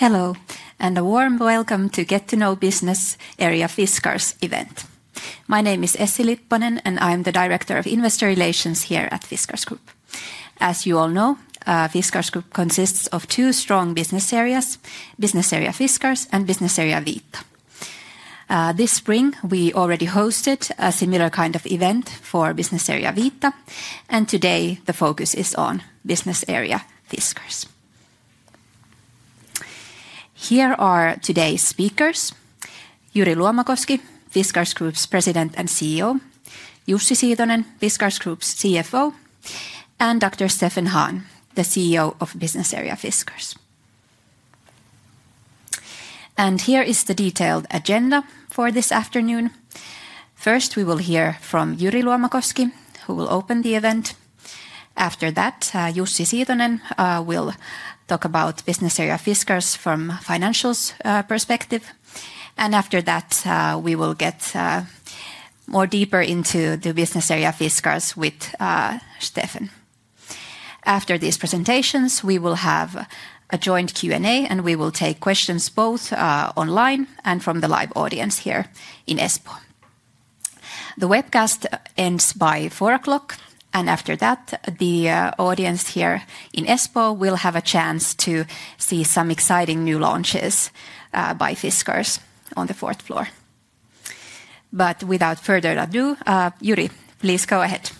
Hello, and a warm welcome to Get to Know Business Area Fiskars event. My name is Essi Lipponen, and I'm the Director of Investor Relations here at Fiskars Group. As you all know, Fiskars Group consists of two strong business areas: Business Area Fiskars and Business Area Vita. This spring, we already hosted a similar kind of event for Business Area Vita, and today the focus is on Business Area Fiskars. Here are today's speakers: Jyri Luomakoski, Fiskars Group's President and CEO, Jussi Siitonen, Fiskars Group's CFO, and Dr. Steffen Hahn, the CEO of Business Area Fiskars. Here is the detailed agenda for this afternoon. First, we will hear from Jyri Luomakoski, who will open the event. After that, Jussi Siitonen will talk about Business Area Fiskars from a financial perspective. After that, we will get more deeper into the Business Area Fiskars with Steffen. After these presentations, we will have a joint Q&A, and we will take questions both online and from the live audience here in Espoo. The webcast ends by 4:00 P.M., and after that, the audience here in Espoo will have a chance to see some exciting new launches by Fiskars on the fourth floor. Without further ado, Jyri, please go ahead.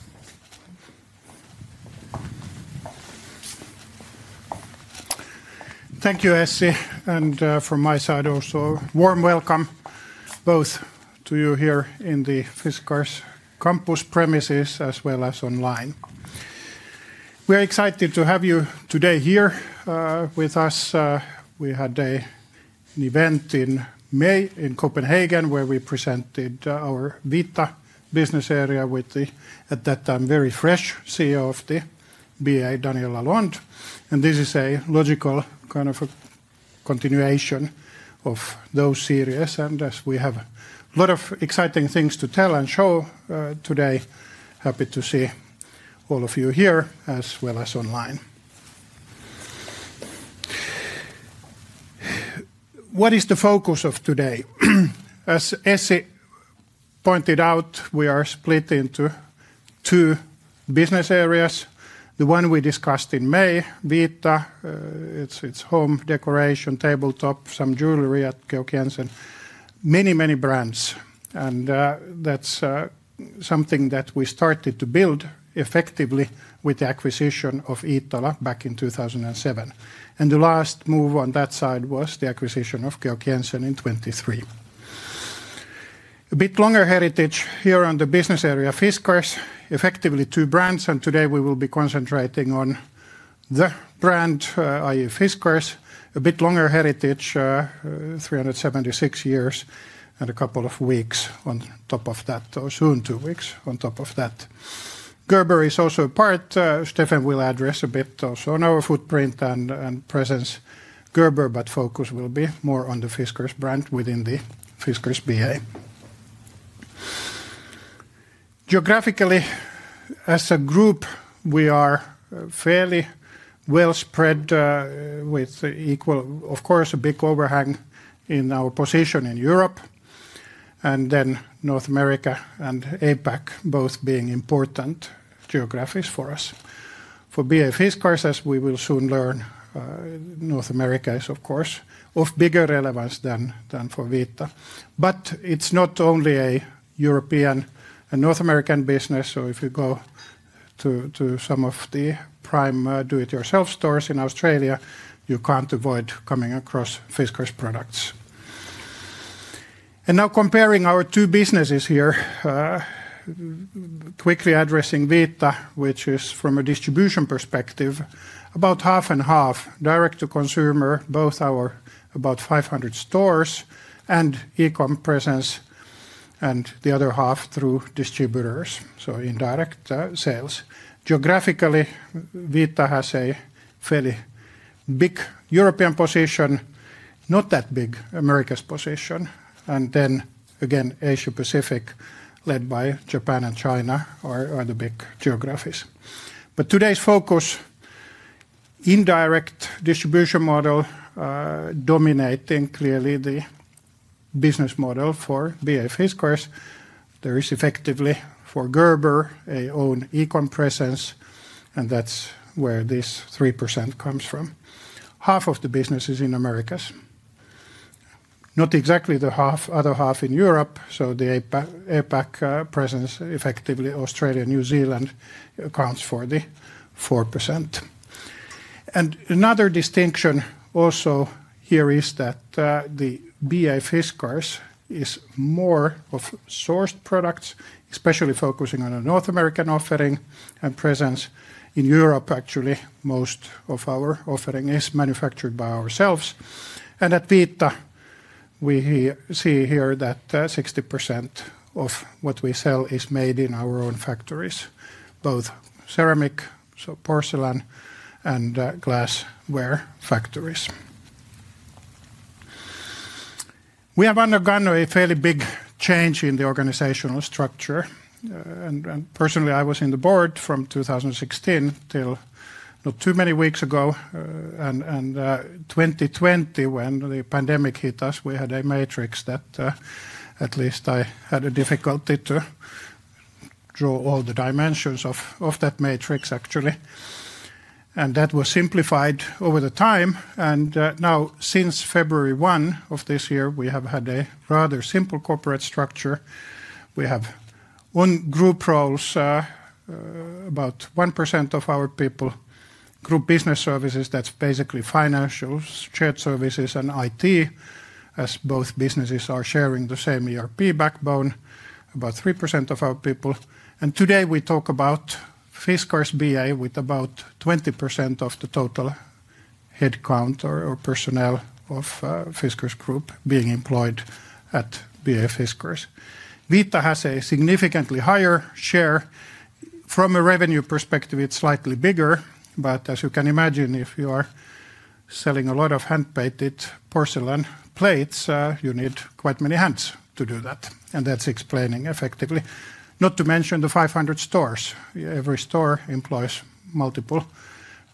Thank you, Essi, and from my side also, a warm welcome both to you here in the Fiskars campus premises as well as online. We are excited to have you today here with us. We had an event in May in Copenhagen where we presented our Vita business area with the, at that time, very fresh CEO of the BA, Daniela Lund. This is a logical kind of continuation of those series, and as we have a lot of exciting things to tell and show today, happy to see all of you here as well as online. What is the focus of today? As Essi pointed out, we are split into two business areas: the one we discussed in May, Vita, its home decoration, tabletop, some jewelry at Georg Jensen, many, many brands. That is something that we started to build effectively with the acquisition of Iittala back in 2007. The last move on that side was the acquisition of Royal Copenhagen in 2023. A bit longer heritage here on the business area Fiskars, effectively two brands, and today we will be concentrating on the brand, i.e., Fiskars. A bit longer heritage, 376 years, and a couple of weeks on top of that, or soon two weeks on top of that. Gerber is also a part; Steffen will address a bit also on our footprint and presence. Gerber, but focus will be more on the Fiskars brand within the Fiskars BA. Geographically, as a group, we are fairly well spread with equal, of course, a big overhang in our position in Europe, and then North America and APAC both being important geographies for us. For BA Fiskars, as we will soon learn, North America is, of course, of bigger relevance than for Vita. It is not only a European and North American business, so if you go to some of the prime do-it-yourself stores in Australia, you cannot avoid coming across Fiskars products. Now comparing our two businesses here, quickly addressing Vita, which is from a distribution perspective, about half and half, direct-to-consumer, both our about 500 stores and e-com presence, and the other half through distributors, so indirect sales. Geographically, Vita has a fairly big European position, not that big America's position, and then again, Asia-Pacific led by Japan and China are the big geographies. Today's focus, indirect distribution model, dominating clearly the business model for BA Fiskars, there is effectively for Gerber, an own e-com presence, and that is where this 3% comes from. Half of the business is in Americas, not exactly the other half in Europe, so the APAC presence, effectively Australia, New Zealand, accounts for the 4%. Another distinction also here is that the BA Fiskars is more of sourced products, especially focusing on a North American offering and presence in Europe. Actually, most of our offering is manufactured by ourselves. At Vita, we see here that 60% of what we sell is made in our own factories, both ceramic, so porcelain, and glassware factories. We have undergone a fairly big change in the organizational structure, and personally, I was in the Board from 2016 till not too many weeks ago, and 2020, when the pandemic hit us, we had a matrix that at least I had a difficulty to draw all the dimensions of that matrix, actually. That was simplified over the time, and now since February 1 of this year, we have had a rather simple corporate structure. We have one group roles, about 1% of our people, group business services, that's basically financials, shared services, and IT, as both businesses are sharing the same ERP backbone, about 3% of our people. Today we talk about Fiskars BA with about 20% of the total headcount or personnel of Fiskars Group being employed at BA Fiskars. Vita has a significantly higher share. From a revenue perspective, it's slightly bigger, but as you can imagine, if you are selling a lot of hand-painted porcelain plates, you need quite many hands to do that, and that's explaining effectively. Not to mention the 500 stores. Every store employs multiple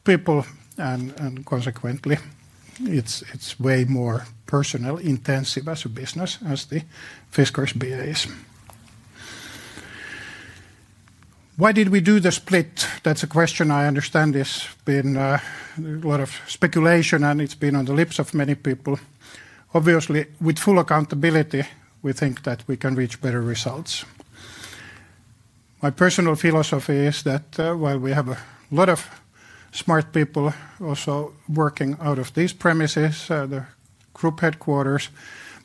people, and consequently, it's way more personally intensive as a business as the Fiskars BA is. Why did we do the split? That's a question I understand has been a lot of speculation, and it's been on the lips of many people. Obviously, with full accountability, we think that we can reach better results. My personal philosophy is that while we have a lot of smart people also working out of these premises, the group headquarters,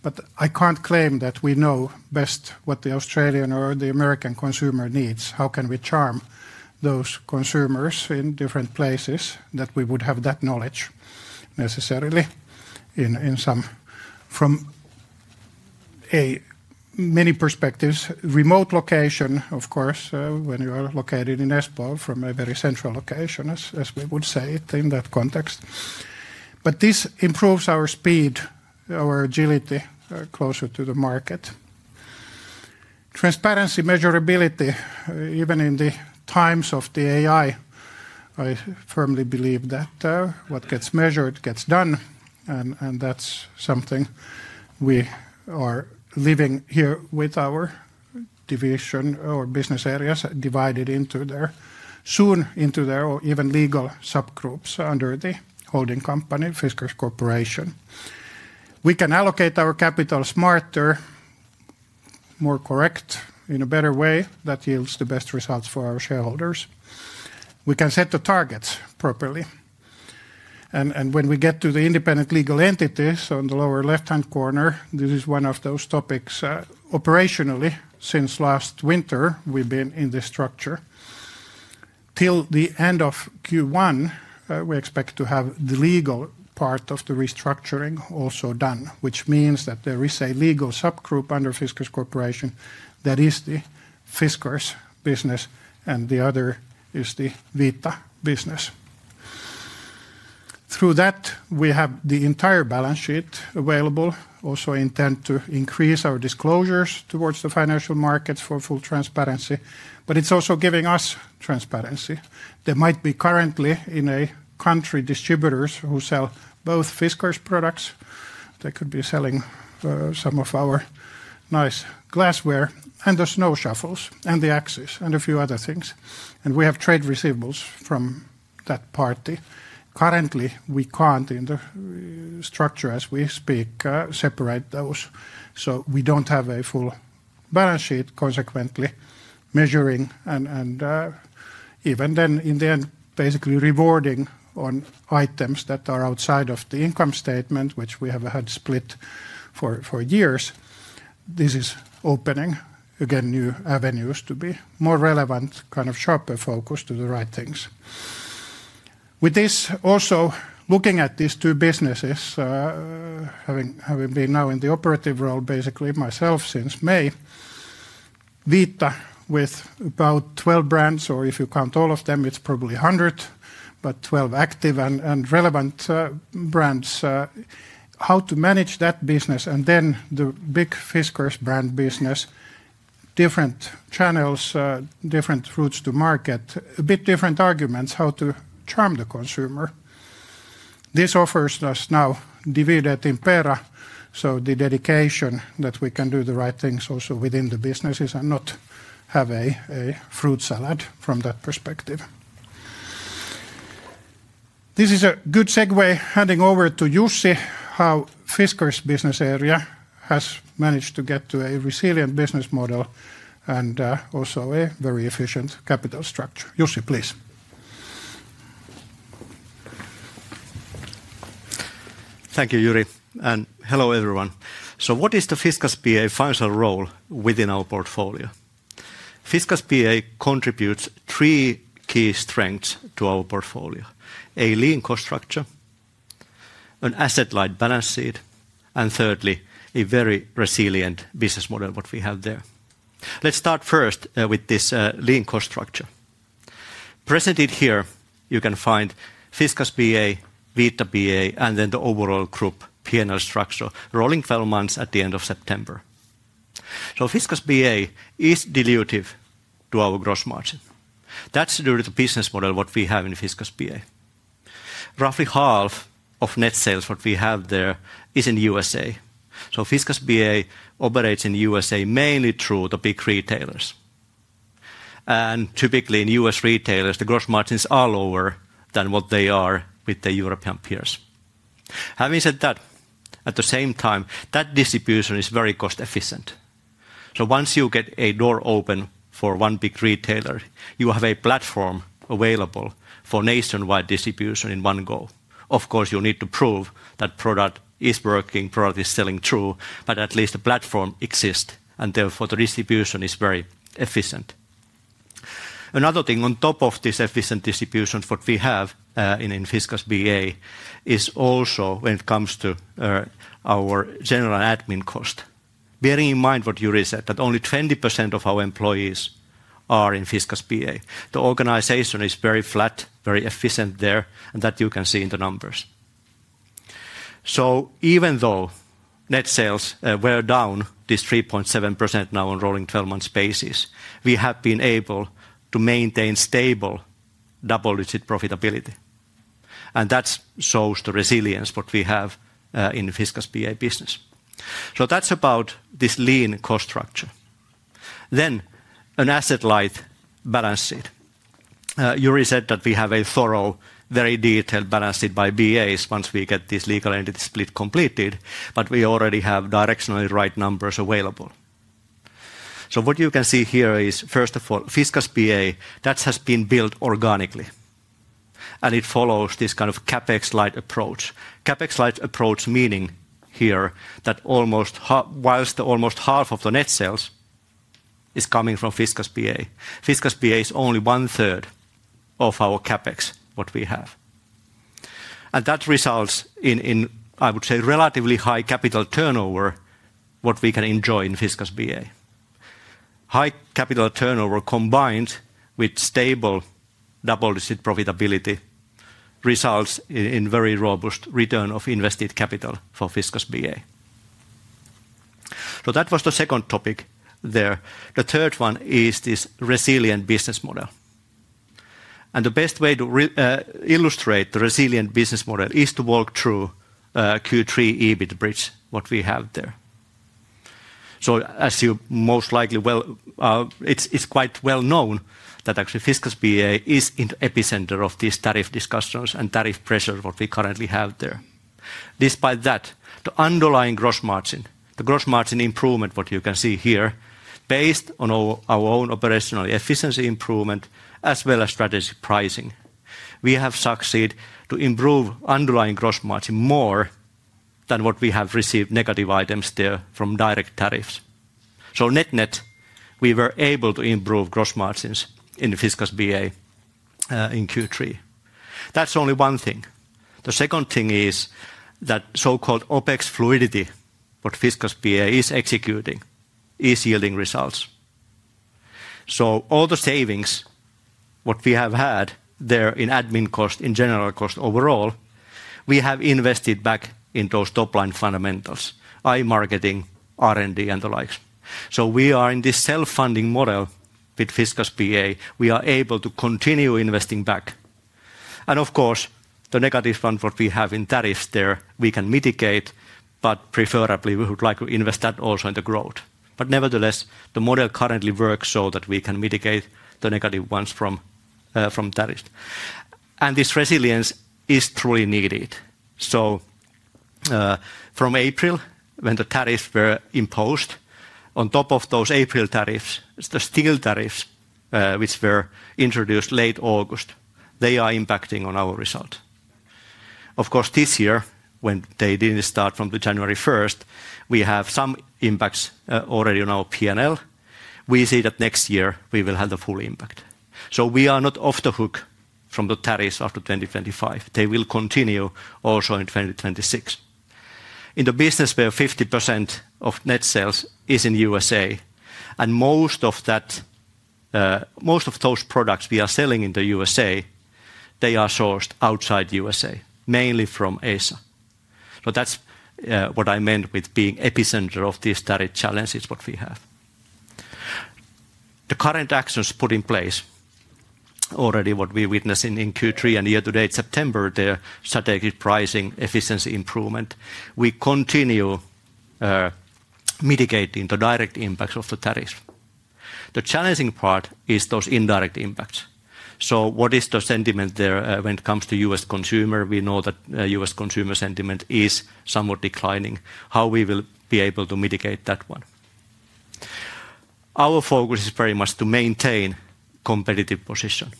but I can't claim that we know best what the Australian or the American consumer needs. How can we charm those consumers in different places that we would have that knowledge necessarily in some from many perspectives? Remote location, of course, when you are located in Espoo from a very central location, as we would say it in that context. This improves our speed, our agility closer to the market. Transparency, measurability, even in the times of the AI, I firmly believe that what gets measured gets done, and that's something we are living here with our division or business areas divided into there, soon into there or even legal subgroups under the holding company, Fiskars Corporation. We can allocate our capital smarter, more correct, in a better way that yields the best results for our shareholders. We can set the targets properly. When we get to the independent legal entities, on the lower left-hand corner, this is one of those topics. Operationally, since last winter, we've been in this structure. Till the end of Q1, we expect to have the legal part of the restructuring also done, which means that there is a legal subgroup under Fiskars Corporation that is the Fiskars business, and the other is the Vita business. Through that, we have the entire balance sheet available, also intend to increase our disclosures towards the financial markets for full transparency, but it's also giving us transparency. There might be currently in a country distributors who sell both Fiskars products. They could be selling some of our nice glassware and the snow shovels and the axes and a few other things. We have trade receivables from that party. Currently, we can't in the structure as we speak separate those, so we don't have a full balance sheet consequently measuring and even then in the end basically rewarding on items that are outside of the income statement, which we have had split for years. This is opening again new avenues to be more relevant, kind of sharper focus to the right things. With this, also looking at these two businesses, having been now in the operative role basically myself since May, Vita with about 12 brands, or if you count all of them, it's probably 100, but 12 active and relevant brands. How to manage that business and then the big Fiskars brand business, different channels, different routes to market, a bit different arguments how to charm the consumer. This offers us now divided in pair, so the dedication that we can do the right things also within the businesses and not have a fruit salad from that perspective. This is a good segue handing over to Jussi how Fiskars business area has managed to get to a resilient business model and also a very efficient capital structure. Jussi, please. Thank you, Jyri, and hello everyone. What is the Fiskars BA financial role within our portfolio? Fiskars BA contributes three key strengths to our portfolio: a lean cost structure, an asset-light balance sheet, and, thirdly, a very resilient business model what we have there. Let's start first with this lean cost structure. Presented here, you can find Fiskars BA, Vita BA, and then the overall group P&L structure, rolling 12 months at the end of September. Fiskars BA is dilutive to our gross margin. That is due to the business model what we have in Fiskars BA. Roughly half of net sales what we have there is in the U.S.A., so Fiskars BA operates in the U.S.A. mainly through the big retailers. Typically in U.S. retailers, the gross margins are lower than what they are with the European peers. Having said that, at the same time, that distribution is very cost-efficient. Once you get a door open for one big retailer, you have a platform available for nationwide distribution in one go. Of course, you need to prove that product is working, product is selling through, but at least the platform exists, and therefore the distribution is very efficient. Another thing on top of this efficient distribution we have in Fiskars BA is also when it comes to our general admin cost. Bearing in mind what Jyri said, that only 20% of our employees are in Fiskars BA. The organization is very flat, very efficient there, and that you can see in the numbers. Even though net sales were down this 3.7% now on rolling 12-month basis, we have been able to maintain stable double-digit profitability. That shows the resilience what we have in Fiskars BA business. That is about this lean cost structure. An asset-light balance sheet. Jyri said that we have a thorough, very detailed balance sheet by BAs once we get this legal entity split completed, but we already have directionally right numbers available. What you can see here is, first of all, Fiskars BA, that has been built organically, and it follows this kind of CapEx-light approach. CapEx-light approach meaning here that whilst almost half of the net sales is coming from Fiskars BA, Fiskars BA is only 1/3 of our CapEx what we have. That results in, I would say, relatively high capital turnover what we can enjoy in Fiskars BA. High capital turnover combined with stable double-digit profitability results in very robust return of invested capital for Fiskars BA. That was the second topic there. The third one is this resilient business model. The best way to illustrate the resilient business model is to walk through Q3 EBIT bridge, what we have there. As you most likely, well, it is quite well known that actually Fiskars BA is in the epicenter of these tariff discussions and tariff pressures, what we currently have there. Despite that, the underlying gross margin, the gross margin improvement, what you can see here, based on our own operational efficiency improvement as well as strategic pricing, we have succeeded to improve underlying gross margin more than what we have received negative items there from direct tariffs. Net-net, we were able to improve gross margins in Fiskars BA in Q3. That is only one thing. The second thing is that so-called OPEX fluidity, what Fiskars BA is executing, is yielding results. All the savings what we have had there in admin cost, in general cost overall, we have invested back in those top-line fundamentals, i.e., marketing, R&D, and the likes. We are in this self-funding model with Fiskars BA, we are able to continue investing back. Of course, the negative fund what we have in tariffs there, we can mitigate, but preferably we would like to invest that also in the growth. Nevertheless, the model currently works so that we can mitigate the negative ones from tariffs. This resilience is truly needed. From April, when the tariffs were imposed, on top of those April tariffs, the steel tariffs which were introduced late August, they are impacting on our result. Of course, this year, when they did not start from January 1, we have some impacts already on our P&L. We see that next year we will have the full impact. We are not off the hook from the tariffs after 2025. They will continue also in 2026. In the business where 50% of net sales is in the U.S.A., and most of those products we are selling in the U.S.A., they are sourced outside the U.S.A., mainly from Asia. That is what I meant with being the epicenter of these tariff challenges we have. The current actions put in place already, what we witnessed in Q3 and year-to-date September, their strategic pricing efficiency improvement, we continue mitigating the direct impacts of the tariffs. The challenging part is those indirect impacts. What is the sentiment there when it comes to the U.S. consumer? We know that U.S. consumer sentiment is somewhat declining. How will we be able to mitigate that one? Our focus is very much to maintain competitive position,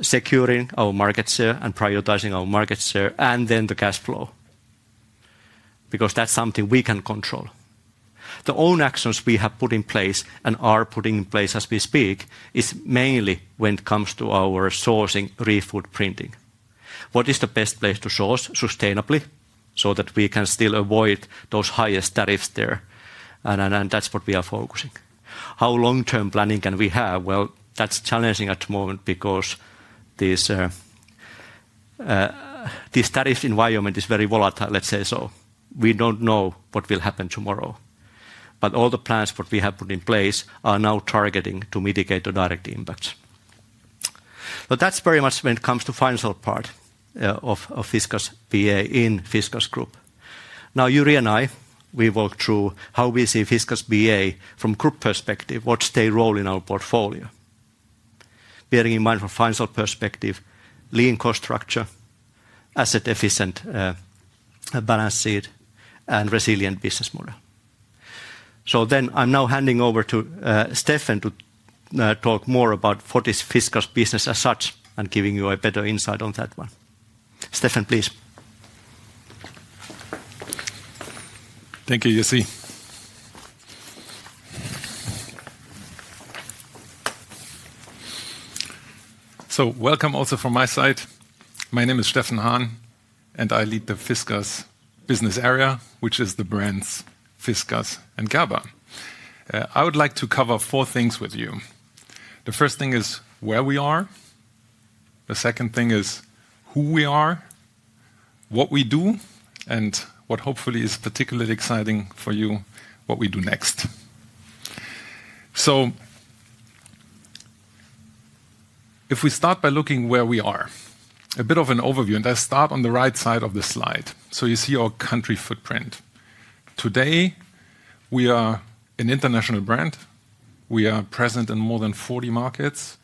securing our market share and prioritizing our market share and then the cash flow, because that's something we can control. The own actions we have put in place and are putting in place as we speak is mainly when it comes to our sourcing, refood printing. What is the best place to source sustainably so that we can still avoid those highest tariffs there? That's what we are focusing. How long-term planning can we have? That's challenging at the moment because this tariff environment is very volatile, let's say so. We don't know what will happen tomorrow. All the plans what we have put in place are now targeting to mitigate the direct impacts. That's very much when it comes to financial part of Fiskars BA in Fiskars Group. Now, Jyri and I, we walk through how we see Fiskars BA from group perspective, what's their role in our portfolio. Bearing in mind from financial perspective, lean cost structure, asset-efficient balance sheet, and resilient business model. I am now handing over to Steffen to talk more about what is Fiskars business as such and giving you a better insight on that one. Steffen, please. Thank you, Jussi. Welcome also from my side. My name is Steffen Hahn, and I lead the Fiskars business area, which is the brands Fiskars and Gerber. I would like to cover four things with you. The first thing is where we are. The second thing is who we are, what we do, and what hopefully is particularly exciting for you, what we do next. If we start by looking where we are, a bit of an overview, and I start on the right side of the slide. You see our country footprint. Today, we are an international brand. We are present in more than 40 markets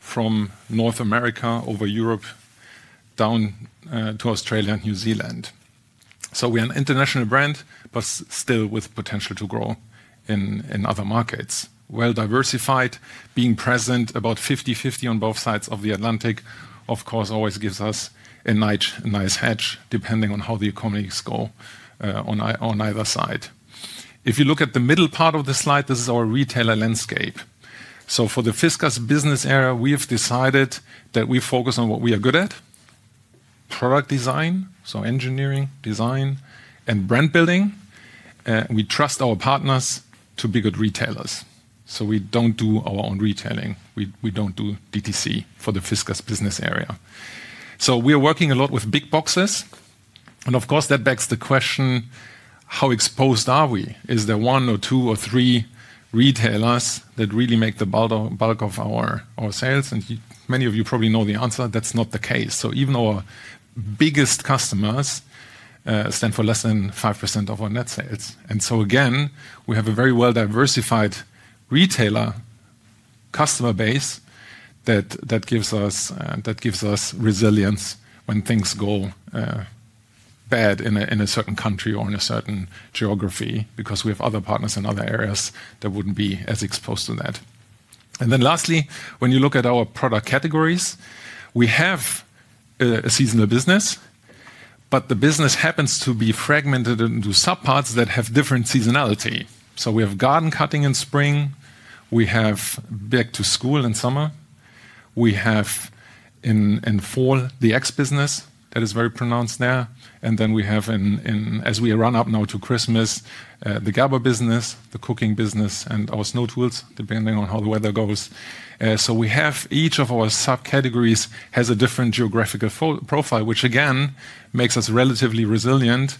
from North America over Europe down to Australia and New Zealand. We are an international brand, but still with potential to grow in other markets. Well-diversified, being present about 50/50 on both sides of the Atlantic, of course, always gives us a nice hedge depending on how the economies go on either side. If you look at the middle part of the slide, this is our retailer landscape. For the Fiskars business area, we have decided that we focus on what we are good at: product design, so engineering, design, and brand building. We trust our partners to be good retailers. We do not do our own retailing. We do not do DTC for the Fiskars business area. We are working a lot with big boxes. That begs the question, how exposed are we? Is there one or two or three retailers that really make the bulk of our sales? Many of you probably know the answer. That is not the case. Even our biggest customers stand for less than 5% of our net sales. We have a very well-diversified retailer customer base that gives us resilience when things go bad in a certain country or in a certain geography, because we have other partners in other areas that would not be as exposed to that. Lastly, when you look at our product categories, we have a seasonal business, but the business happens to be fragmented into subparts that have different seasonality. We have garden cutting in spring. We have back to school in summer. We have in fall the axe business that is very pronounced there. As we run up now to Christmas, the Gerber business, the cooking business, and our snow tools, depending on how the weather goes. Each of our subcategories has a different geographical profile, which again makes us relatively resilient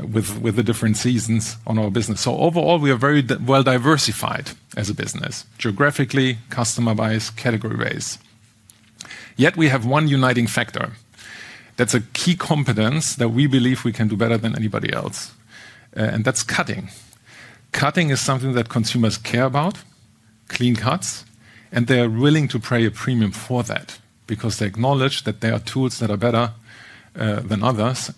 with the different seasons on our business. Overall, we are very well-diversified as a business, geographically, customer-wise, category-wise. Yet we have one uniting factor that's a key competence that we believe we can do better than anybody else, and that's cutting. Cutting is something that consumers care about, clean cuts, and they are willing to pay a premium for that because they acknowledge that there are tools that are better than others.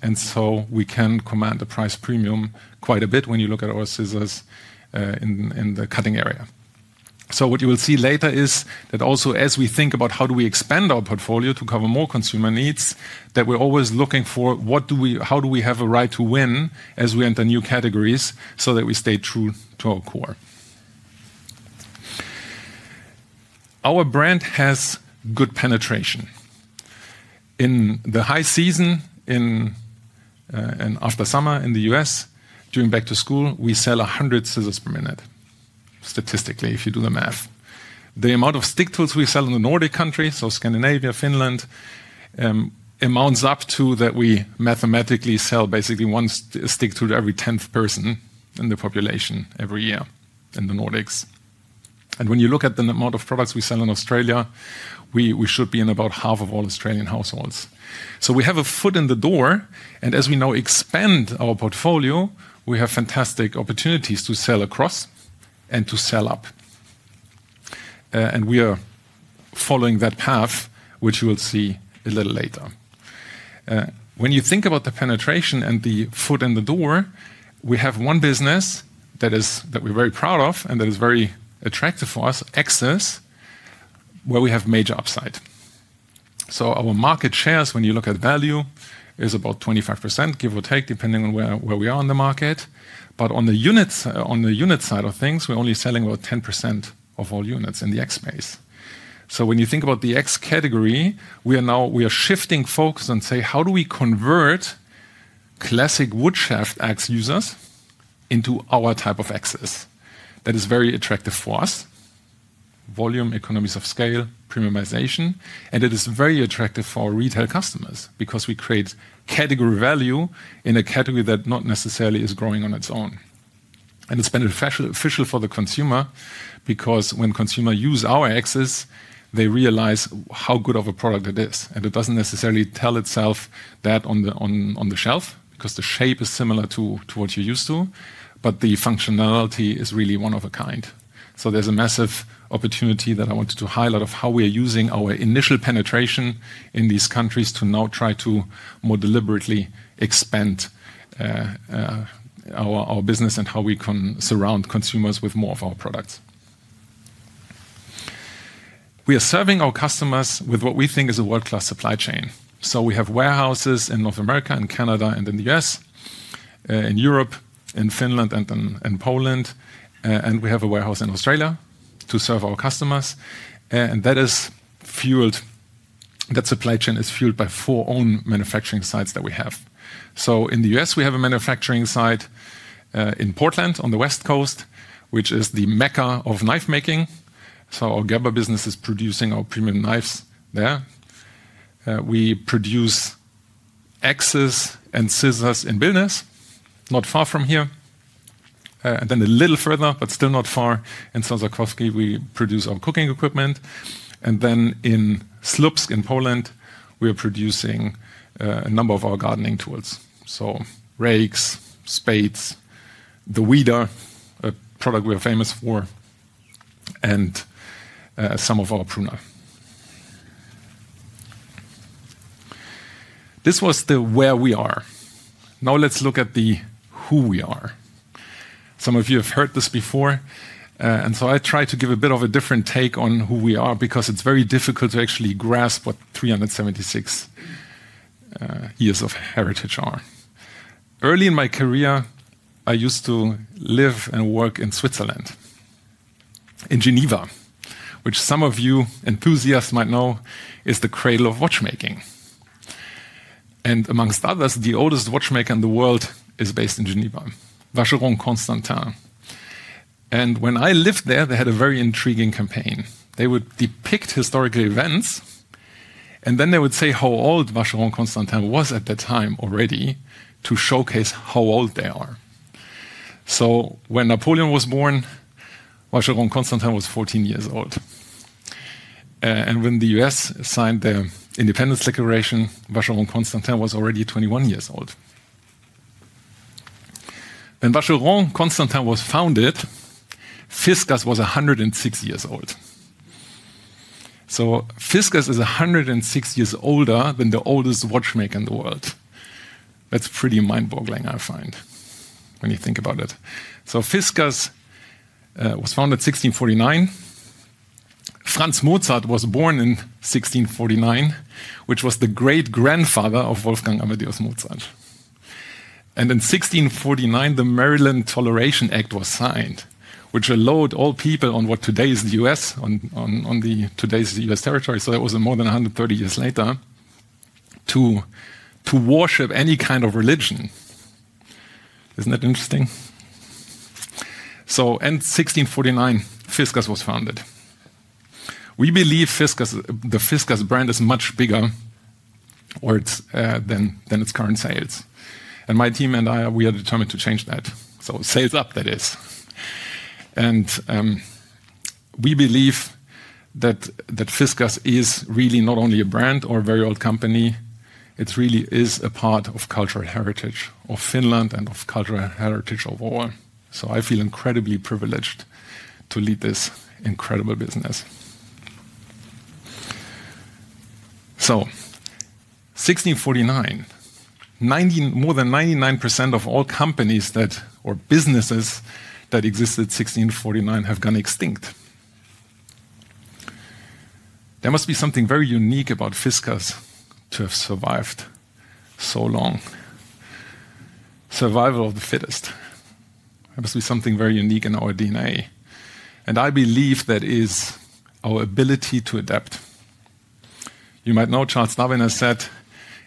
We can command a price premium quite a bit when you look at our scissors in the cutting area. What you will see later is that also, as we think about how do we expand our portfolio to cover more consumer needs, that we're always looking for how do we have a right to win as we enter new categories so that we stay true to our core. Our brand has good penetration. In the high season, and after summer in the U.S., during back to school, we sell 100 scissors per minute, statistically, if you do the math. The amount of stick tools we sell in the Nordic countries, so Scandinavia, Finland, amounts up to that we mathematically sell basically one stick tool to every 10th person in the population every year in the Nordics. When you look at the amount of products we sell in Australia, we should be in about half of all Australian households. We have a foot in the door, and as we now expand our portfolio, we have fantastic opportunities to sell across and to sell up. We are following that path, which you will see a little later. When you think about the penetration and the foot in the door, we have one business that we're very proud of and that is very attractive for us, axes, where we have major upside. Our market shares, when you look at value, is about 25%, give or take, depending on where we are on the market. On the unit side of things, we're only selling about 10% of all units in the axe space. When you think about the axe category, we are shifting focus and say, how do we convert classic wood shaft axe users into our type of axes? That is very attractive for us: volume, economies of scale, premiumization. It is very attractive for our retail customers because we create category value in a category that not necessarily is growing on its own. It is beneficial for the consumer because when consumers use our axes, they realize how good of a product it is. It does not necessarily tell itself that on the shelf because the shape is similar to what you are used to, but the functionality is really one of a kind. There is a massive opportunity that I wanted to highlight of how we are using our initial penetration in these countries to now try to more deliberately expand our business and how we can surround consumers with more of our products. We are serving our customers with what we think is a world-class supply chain. We have warehouses in North America and Canada and in the U.S., in Europe, in Finland and Poland, and we have a warehouse in Australia to serve our customers. That supply chain is fueled by four own manufacturing sites that we have. In the U.S., we have a manufacturing site in Portland on the West Coast, which is the mecca of knife making. Our Gerber business is producing our premium knives there. We produce axes and scissors in Vilnius, not far from here. Then a little further, but still not far in Sorsakoski, we produce our cooking equipment. In Słupsk, in Poland, we are producing a number of our gardening tools, so rakes, spades, the Weeder, a product we are famous for, and some of our pruner. This was the where we are. Now let's look at the who we are. Some of you have heard this before. I try to give a bit of a different take on who we are because it's very difficult to actually grasp what 376 years of heritage are. Early in my career, I used to live and work in Switzerland, in Geneva, which some of you enthusiasts might know is the cradle of watchmaking. Amongst others, the oldest watchmaker in the world is based in Geneva, Vacheron Constantin. When I lived there, they had a very intriguing campaign. They would depict historical events, and then they would say how old Vacheron Constantin was at that time already to showcase how old they are. When Napoleon was born, Vacheron Constantin was 14 years old. When the U.S. signed the independence declaration, Vacheron Constantin was already 21 years old. When Vacheron Constantin was founded, Fiskars was 106 years old. Fiskars is 106 years older than the oldest watchmaker in the world. That's pretty mind-boggling, I find, when you think about it. Fiskars was founded in 1649. Franz Mozart was born in 1649, which was the great-grandfather of Wolfgang Amadeus Mozart. In 1649, the Maryland Toleration Act was signed, which allowed all people on what today is the U.S., on today's U.S. territory, so that was more than 130 years later, to worship any kind of religion. Isn't that interesting? In 1649, Fiskars was founded. We believe the Fiskars brand is much bigger than its current sales. My team and I, we are determined to change that. Sales up, that is. We believe that Fiskars is really not only a brand or a very old company. It really is a part of cultural heritage of Finland and of cultural heritage of all. I feel incredibly privileged to lead this incredible business. In 1649, more than 99% of all companies or businesses that existed in 1649 have gone extinct. There must be something very unique about Fiskars to have survived so long. Survival of the fittest. There must be something very unique in our DNA. I believe that is our ability to adapt. You might know Charles Darwin said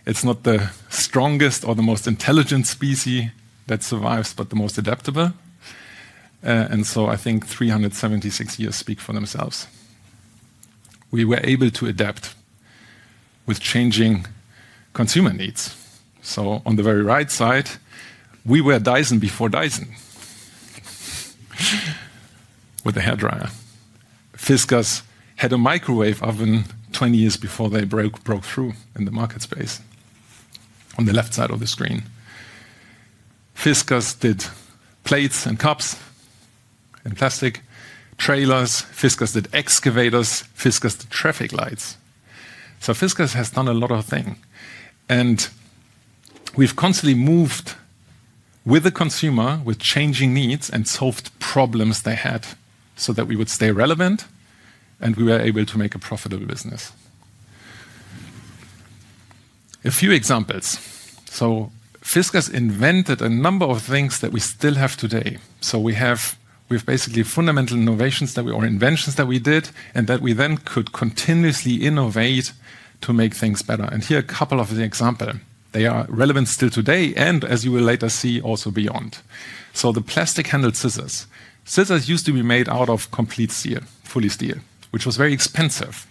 it's not the strongest or the most intelligent species that survives, but the most adaptable. I think 376 years speak for themselves. We were able to adapt with changing consumer needs. On the very right side, we were Dyson before Dyson with a hairdryer. Fiskars had a microwave oven 20 years before they broke through in the market space. On the left side of the screen, Fiskars did plates and cups and plastic trailers. Fiskars did excavators. Fiskars did traffic lights. Fiskars has done a lot of things. We have constantly moved with the consumer, with changing needs, and solved problems they had so that we would stay relevant and we were able to make a profitable business. A few examples. Fiskars invented a number of things that we still have today. We have basically fundamental innovations or inventions that we did and that we then could continuously innovate to make things better. Here are a couple of the examples. They are relevant still today and, as you will later see, also beyond. The plastic handled scissors. Scissors used to be made out of complete steel, fully steel, which was very expensive.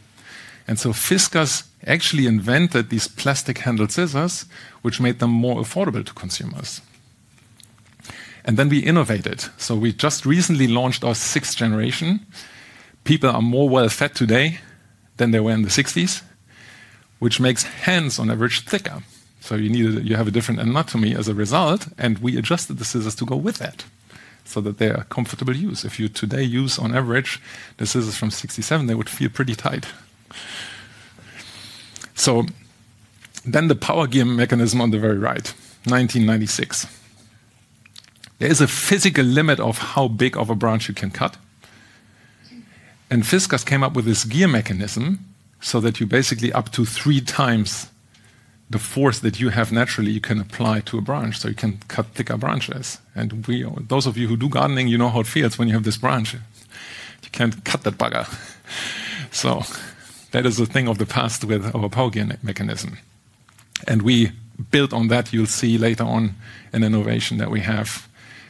Fiskars actually invented these plastic handled scissors, which made them more affordable to consumers. We innovated. We just recently launched our sixth generation. People are more well-fed today than they were in the 1960s, which makes hands on average thicker. You have a different anatomy as a result, and we adjusted the scissors to go with that so that they are comfortable to use. If you today use on average the scissors from 1967, they would feel pretty tight. The power gear mechanism on the very right, 1996. There is a physical limit of how big of a branch you can cut. Fiskars came up with this gear mechanism so that you basically, up to three times the force that you have naturally, you can apply to a branch so you can cut thicker branches. Those of you who do gardening, you know how it feels when you have this branch. You can't cut that bugger. That is a thing of the past with our Power Gear mechanism. We built on that. You'll see later on an innovation that we have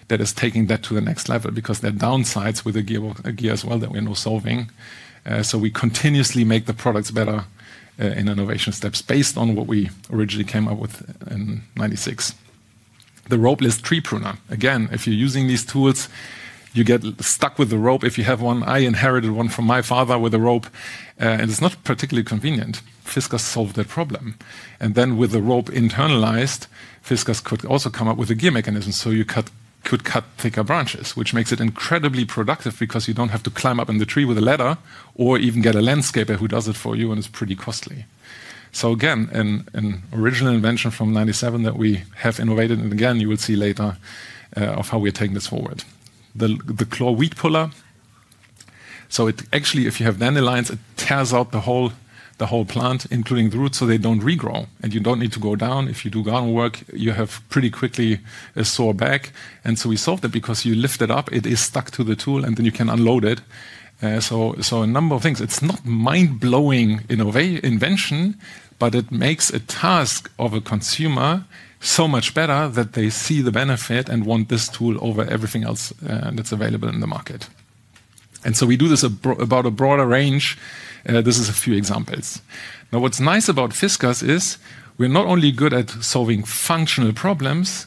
that is taking that to the next level because there are downsides with the gear as well that we're now solving. We continuously make the products better in innovation steps based on what we originally came up with in 1996. The Ropeless Tree Pruner. Again, if you're using these tools, you get stuck with the rope if you have one. I inherited one from my father with a rope, and it's not particularly convenient. Fiskars solved that problem. With the rope internalized, Fiskars could also come up with a gear mechanism so you could cut thicker branches, which makes it incredibly productive because you do not have to climb up in the tree with a ladder or even get a landscaper who does it for you, and it is pretty costly. Again, an original invention from 1997 that we have innovated, and you will see later how we are taking this forward. The claw weed puller. Actually, if you have dandelions, it tears out the whole plant, including the roots, so they do not regrow. You do not need to go down. If you do garden work, you have pretty quickly a sore back. We solved it because you lift it up, it is stuck to the tool, and then you can unload it. A number of things. It's not mind-blowing innovation, but it makes a task of a consumer so much better that they see the benefit and want this tool over everything else that's available in the market. We do this about a broader range. This is a few examples. Now, what's nice about Fiskars is we're not only good at solving functional problems,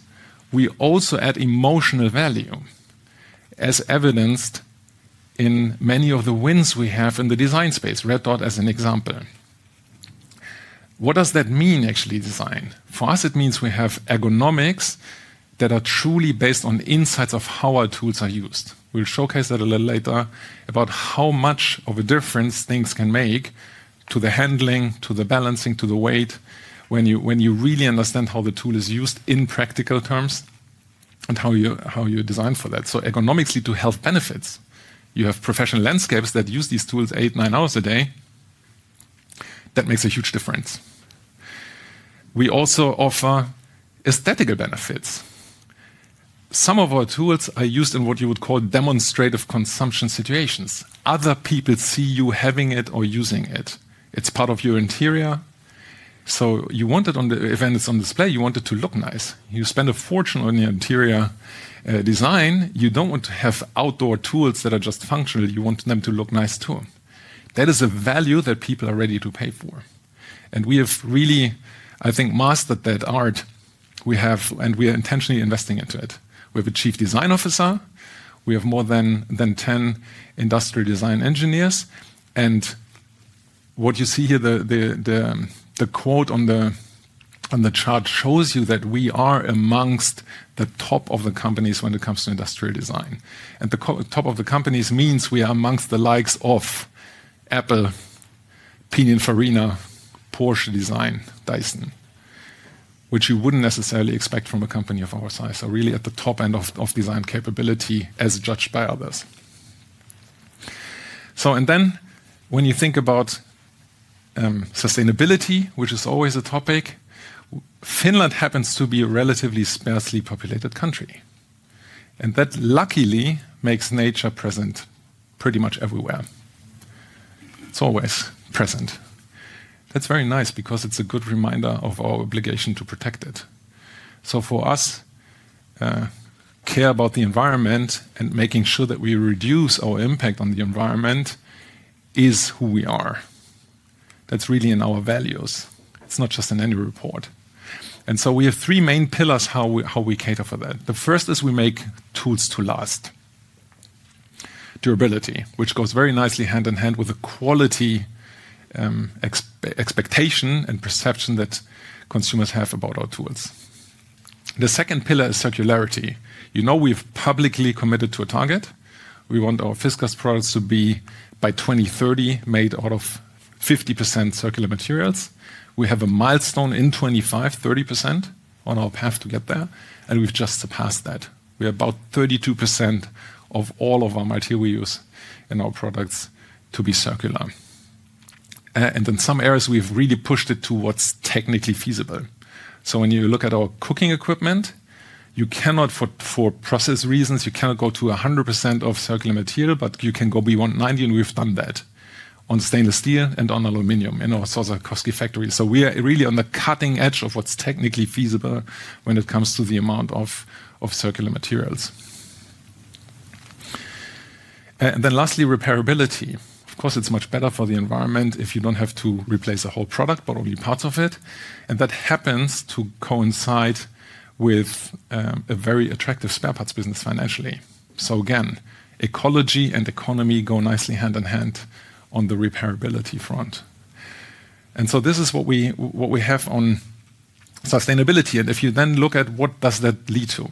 we also add emotional value, as evidenced in many of the wins we have in the design space, Red Dot as an example. What does that mean, actually design? For us, it means we have ergonomics that are truly based on insights of how our tools are used. We'll showcase that a little later about how much of a difference things can make to the handling, to the balancing, to the weight when you really understand how the tool is used in practical terms and how you design for that. Ergonomically, to health benefits, you have professional landscapes that use these tools eight, nine hours a day. That makes a huge difference. We also offer aesthetical benefits. Some of our tools are used in what you would call demonstrative consumption situations. Other people see you having it or using it. It's part of your interior. You want it on the event, it's on display, you want it to look nice. You spend a fortune on your interior design. You don't want to have outdoor tools that are just functional. You want them to look nice too. That is a value that people are ready to pay for. We have really, I think, mastered that art. We have, and we are intentionally investing into it. We have a Chief Design Officer. We have more than 10 industrial design engineers. What you see here, the quote on the chart shows you that we are amongst the top of the companies when it comes to industrial design. The top of the companies means we are amongst the likes of Apple, Pininfarina, Porsche Design, Dyson, which you would not necessarily expect from a company of our size. Really at the top end of design capability as judged by others. When you think about sustainability, which is always a topic, Finland happens to be a relatively sparsely populated country. That luckily makes nature present pretty much everywhere. It is always present. That is very nice because it is a good reminder of our obligation to protect it. For us, care about the environment and making sure that we reduce our impact on the environment is who we are. That is really in our values. It is not just in any report. We have three main pillars how we cater for that. The first is we make tools to last. Durability, which goes very nicely hand in hand with the quality expectation and perception that consumers have about our tools. The second pillar is circularity. You know we've publicly committed to a target. We want our Fiskars products to be by 2030 made out of 50% circular materials. We have a milestone in 2025, 30% on our path to get there, and we've just surpassed that. We are about 32% of all of our material we use in our products to be circular. In some areas, we have really pushed it to what's technically feasible. When you look at our cooking equipment, you cannot for process reasons, you cannot go to 100% of circular material, but you can go beyond 90%, and we've done that on stainless steel and on aluminum in our Sorsakoski factory. We are really on the cutting edge of what's technically feasible when it comes to the amount of circular materials. Lastly, repairability. Of course, it's much better for the environment if you don't have to replace a whole product, but only parts of it. That happens to coincide with a very attractive spare parts business financially. Again, ecology and economy go nicely hand in hand on the repairability front. This is what we have on sustainability. If you then look at what does that lead to.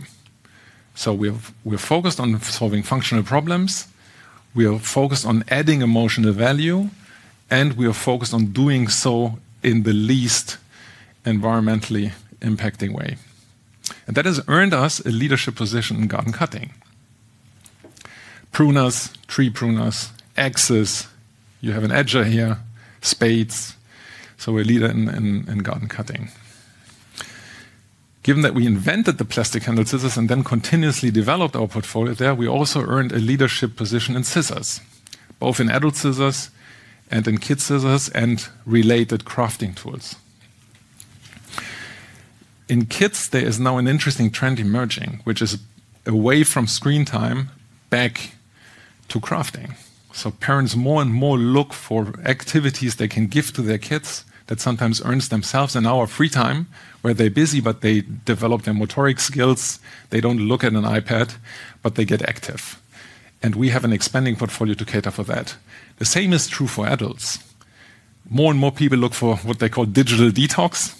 We're focused on solving functional problems. We are focused on adding emotional value, and we are focused on doing so in the least environmentally impacting way. That has earned us a leadership position in garden cutting. Pruners, tree pruners, axes. You have an edger here, spades. We are a leader in garden cutting. Given that we invented the plastic handled scissors and then continuously developed our portfolio there, we also earned a leadership position in scissors, both in adult scissors and in kids' scissors and related crafting tools. In kids, there is now an interesting trend emerging, which is away from screen time, back to crafting. Parents more and more look for activities they can give to their kids that sometimes earns themselves in our free time where they are busy, but they develop their motoric skills. They do not look at an iPad, but they get active. We have an expanding portfolio to cater for that. The same is true for adults. More and more people look for what they call digital detox.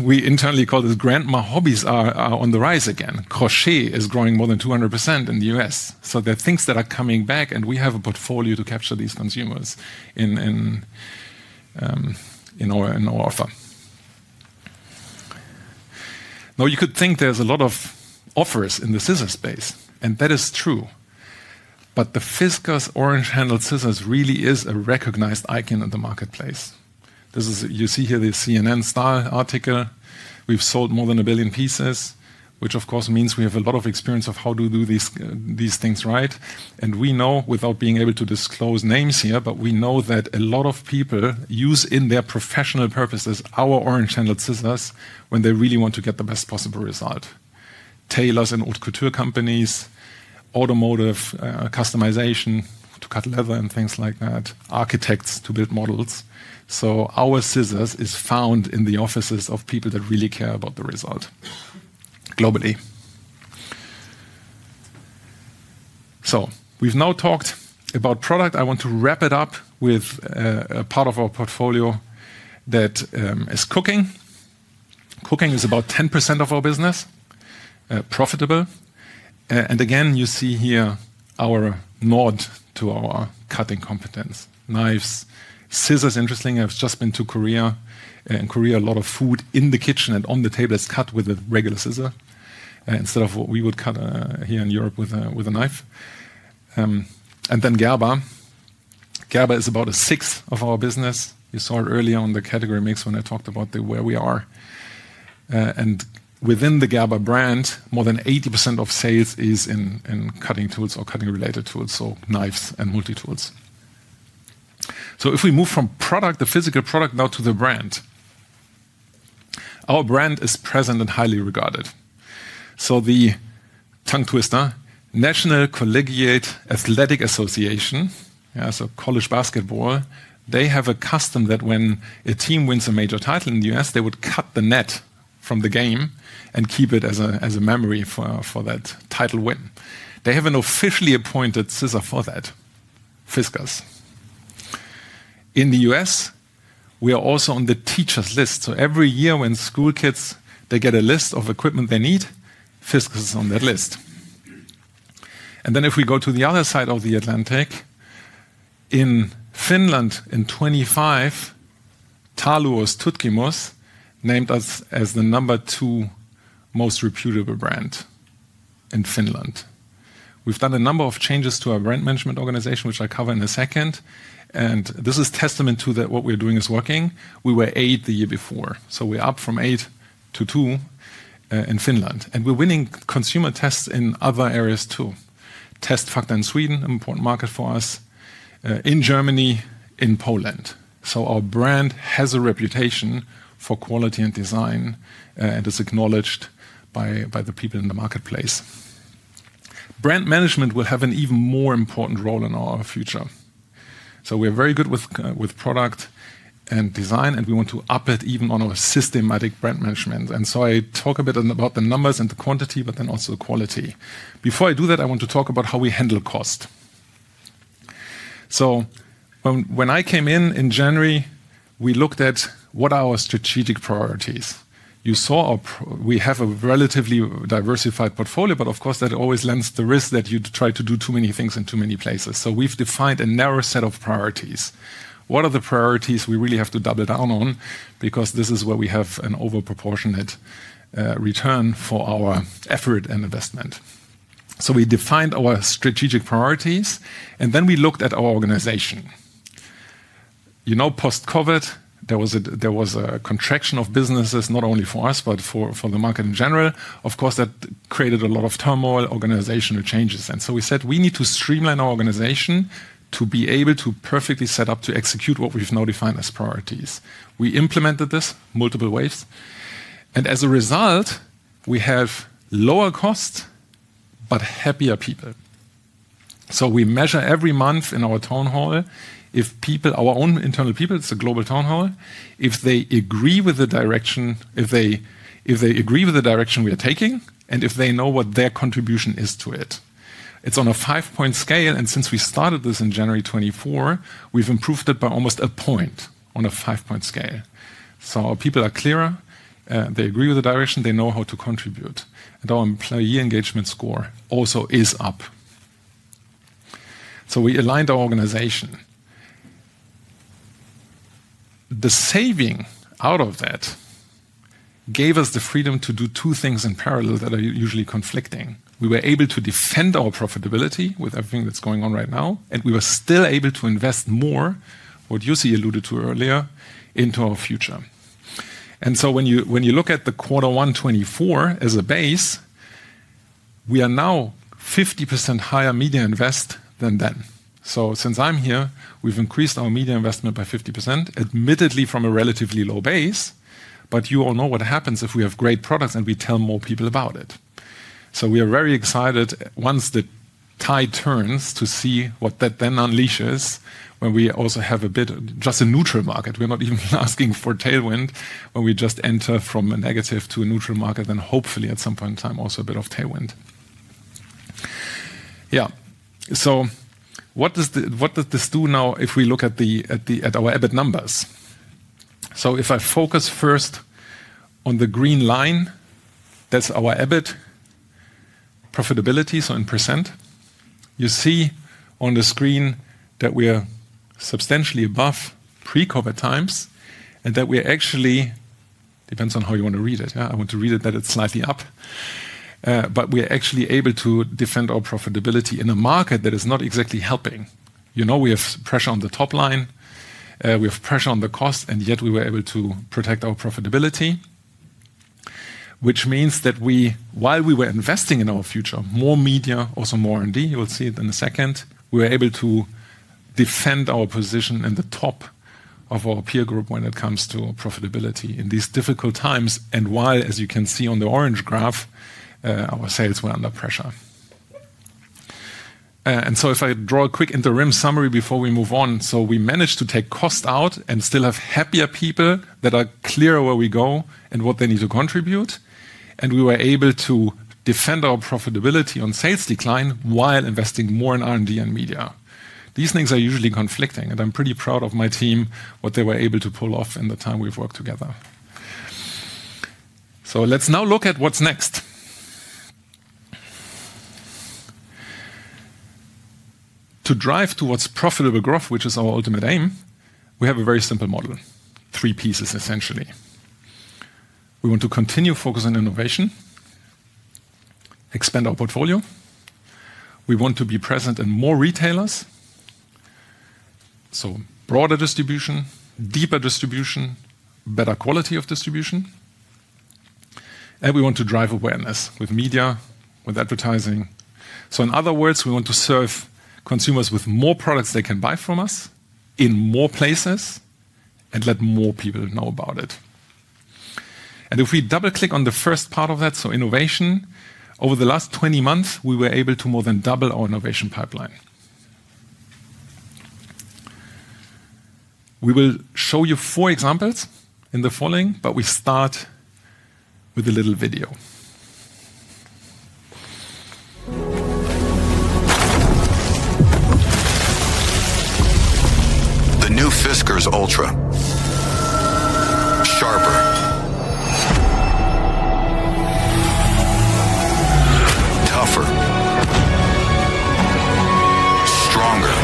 We internally call this grandma hobbies are on the rise again. Crochet is growing more than 200% in the U.S.. There are things that are coming back, and we have a portfolio to capture these consumers in our offer. Now, you could think there's a lot of offers in the scissor space, and that is true. The Fiskars orange handled scissors really is a recognized icon in the marketplace. You see here the CNN style article. We've sold more than a billion pieces, which of course means we have a lot of experience of how to do these things right. We know without being able to disclose names here, but we know that a lot of people use in their professional purposes our Orange Handled Scissors when they really want to get the best possible result. Tailors and haute couture companies, automotive customization to cut leather and things like that, architects to build models. Our scissors is found in the offices of people that really care about the result globally. We have now talked about product. I want to wrap it up with a part of our portfolio that is cooking. Cooking is about 10% of our business, profitable. Again, you see here our nod to our cutting competence. Knives, scissors, interesting. I have just been to Korea. In Korea, a lot of food in the kitchen and on the table is cut with a regular scissor instead of what we would cut here in Europe with a knife. Gerber is about a sixth of our business. You saw it earlier on the category mix when I talked about where we are. Within the Gerber brand, more than 80% of sales is in cutting tools or cutting related tools, so knives and multi-tools. If we move from product, the physical product now to the brand, our brand is present and highly regarded. The tongue twister, National Collegiate Athletic Association, so college basketball, they have a custom that when a team wins a major title in the U.S., they would cut the net from the game and keep it as a memory for that title win. They have an officially appointed scissor for that, Fiskars. In the U.S., we are also on the teacher's list. Every year when school kids, they get a list of equipment they need, Fiskars is on that list. If we go to the other side of the Atlantic, in Finland, in 2025, Taloustutkimus named us as the number two most reputable brand in Finland. We've done a number of changes to our brand management organization, which I'll cover in a second. This is testament to that what we're doing is working. We were eight the year before. We're up from eight to two in Finland. We're winning consumer tests in other areas too. Test Fakta in Sweden, an important market for us. In Germany, in Poland. Our brand has a reputation for quality and design and is acknowledged by the people in the marketplace. Brand management will have an even more important role in our future. We're very good with product and design, and we want to up it even on our systematic brand management. I talk a bit about the numbers and the quantity, but then also the quality. Before I do that, I want to talk about how we handle cost. When I came in in January, we looked at what are our strategic priorities. You saw we have a relatively diversified portfolio, but of course that always lends the risk that you try to do too many things in too many places. We've defined a narrow set of priorities. What are the priorities we really have to double down on? Because this is where we have an overproportionate return for our effort and investment. We defined our strategic priorities, and then we looked at our organization. You know, post-COVID, there was a contraction of businesses, not only for us, but for the market in general. Of course, that created a lot of turmoil, organizational changes. We said we need to streamline our organization to be able to perfectly set up to execute what we've now defined as priorities. We implemented this multiple ways. As a result, we have lower cost, but happier people. We measure every month in our town hall if people, our own internal people, it's a global town hall, if they agree with the direction, if they agree with the direction we are taking, and if they know what their contribution is to it. It's on a five-point scale. Since we started this in January 2024, we have improved it by almost a point on a five-point scale. Our people are clearer. They agree with the direction. They know how to contribute. Our employee engagement score also is up. We aligned our organization. The saving out of that gave us the freedom to do two things in parallel that are usually conflicting. We were able to defend our profitability with everything that is going on right now, and we were still able to invest more, what Jussi alluded to earlier, into our future. When you look at quarter one, 2024 as a base, we are now 50% higher media invest than then. Since I'm here, we've increased our media investment by 50%, admittedly from a relatively low base, but you all know what happens if we have great products and we tell more people about it. We are very excited once the tide turns to see what that then unleashes when we also have a bit of just a neutral market. We're not even asking for tailwind when we just enter from a negative to a neutral market and hopefully at some point in time also a bit of tailwind. Yeah. What does this do now if we look at our EBIT numbers? If I focus first on the green line, that's our EBIT profitability, so in percent, you see on the screen that we are substantially above pre-COVID times and that we actually depends on how you want to read it. Yeah, I want to read it that it's slightly up, but we are actually able to defend our profitability in a market that is not exactly helping. You know, we have pressure on the top line. We have pressure on the cost, and yet we were able to protect our profitability, which means that while we were investing in our future, more media, also more R&D, you will see it in a second, we were able to defend our position in the top of our peer group when it comes to profitability in these difficult times. While, as you can see on the orange graph, our sales were under pressure. If I draw a quick interim summary before we move on, we managed to take cost out and still have happier people that are clearer where we go and what they need to contribute. We were able to defend our profitability on sales decline while investing more in R&D and media. These things are usually conflicting, and I'm pretty proud of my team, what they were able to pull off in the time we've worked together. Let's now look at what's next. To drive towards profitable growth, which is our ultimate aim, we have a very simple model, three pieces essentially. We want to continue focusing on innovation, expand our portfolio. We want to be present in more retailers, so broader distribution, deeper distribution, better quality of distribution. We want to drive awareness with media, with advertising. In other words, we want to serve consumers with more products they can buy from us in more places and let more people know about it. If we double-click on the first part of that, so innovation, over the last 20 months, we were able to more than double our innovation pipeline. We will show you four examples in the following, but we start with a little video. The new Fiskars Ultra. Sharper. Tougher. Stronger.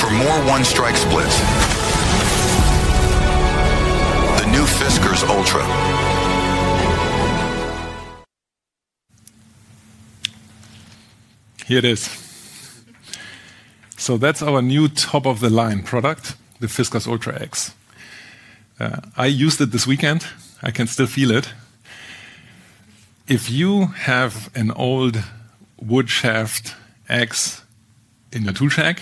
For more one-strike splits. The new Fiskars Ultra. Here it is. That is our new top-of-the-line product, the Fiskars Ultra Axe. I used it this weekend. I can still feel it. If you have an old woodshaft axe in your tool shack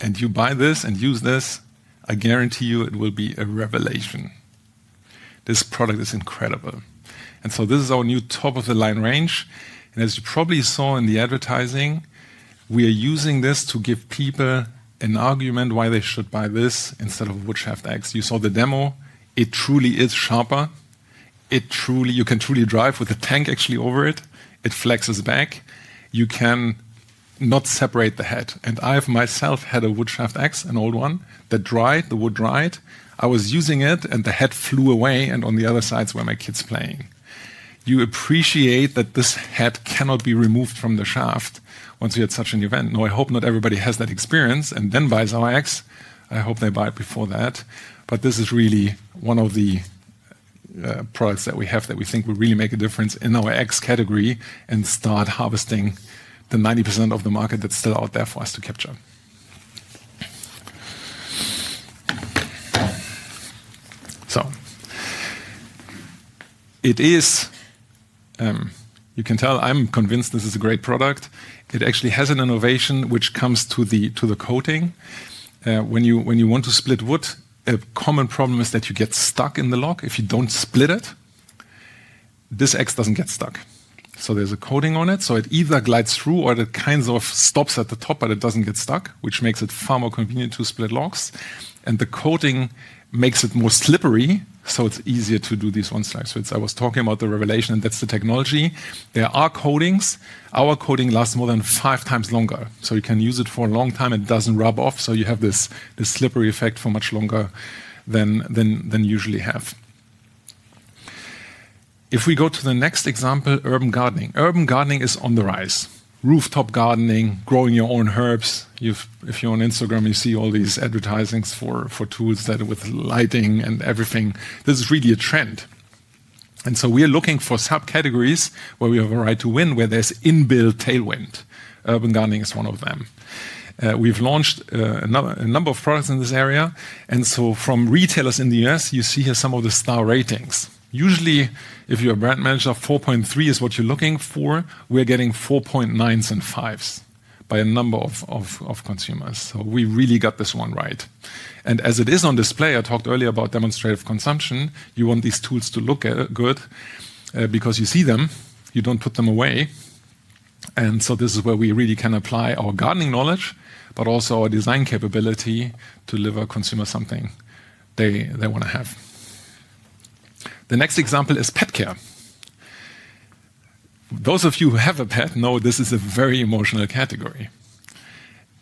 and you buy this and use this, I guarantee you it will be a revelation. This product is incredible. This is our new top-of-the-line range. As you probably saw in the advertising, we are using this to give people an argument why they should buy this instead of a woodshaft axe. You saw the demo. It truly is sharper. You can truly drive with a tank actually over it. It flexes back. You cannot separate the head. I have myself had a woodshaft axe, an old one that dried, the wood dried. I was using it and the head flew away and on the other side is where my kid is playing. You appreciate that this head cannot be removed from the shaft once you had such an event. I hope not everybody has that experience and then buys our axe. I hope they buy it before that. This is really one of the products that we have that we think will really make a difference in our axe category and start harvesting the 90% of the market that is still out there for us to capture. You can tell I am convinced this is a great product. It actually has an innovation which comes to the coating. When you want to split wood, a common problem is that you get stuck in the log if you don't split it. This axe doesn't get stuck. So there's a coating on it. It either glides through or it kind of stops at the top, but it doesn't get stuck, which makes it far more convenient to split logs. The coating makes it more slippery, so it's easier to do these one-strike splits. I was talking about the revelation and that's the technology. There are coatings. Our coating lasts more than five times longer. You can use it for a long time. It doesn't rub off. You have this slippery effect for much longer than you usually have. If we go to the next example, urban gardening. Urban gardening is on the rise. Rooftop gardening, growing your own herbs. If you're on Instagram, you see all these advertisings for tools that are with lighting and everything. This is really a trend. We are looking for subcategories where we have a right to win where there's inbuilt tailwind. Urban gardening is one of them. We've launched a number of products in this area. From retailers in the U.S., you see here some of the star ratings. Usually, if you're a brand manager, 4.3 is what you're looking for. We're getting 4.9s and 5s by a number of consumers. We really got this one right. As it is on display, I talked earlier about demonstrative consumption. You want these tools to look good because you see them. You don't put them away. This is where we really can apply our gardening knowledge, but also our design capability to deliver consumers something they want to have. The next example is pet care. Those of you who have a pet know this is a very emotional category.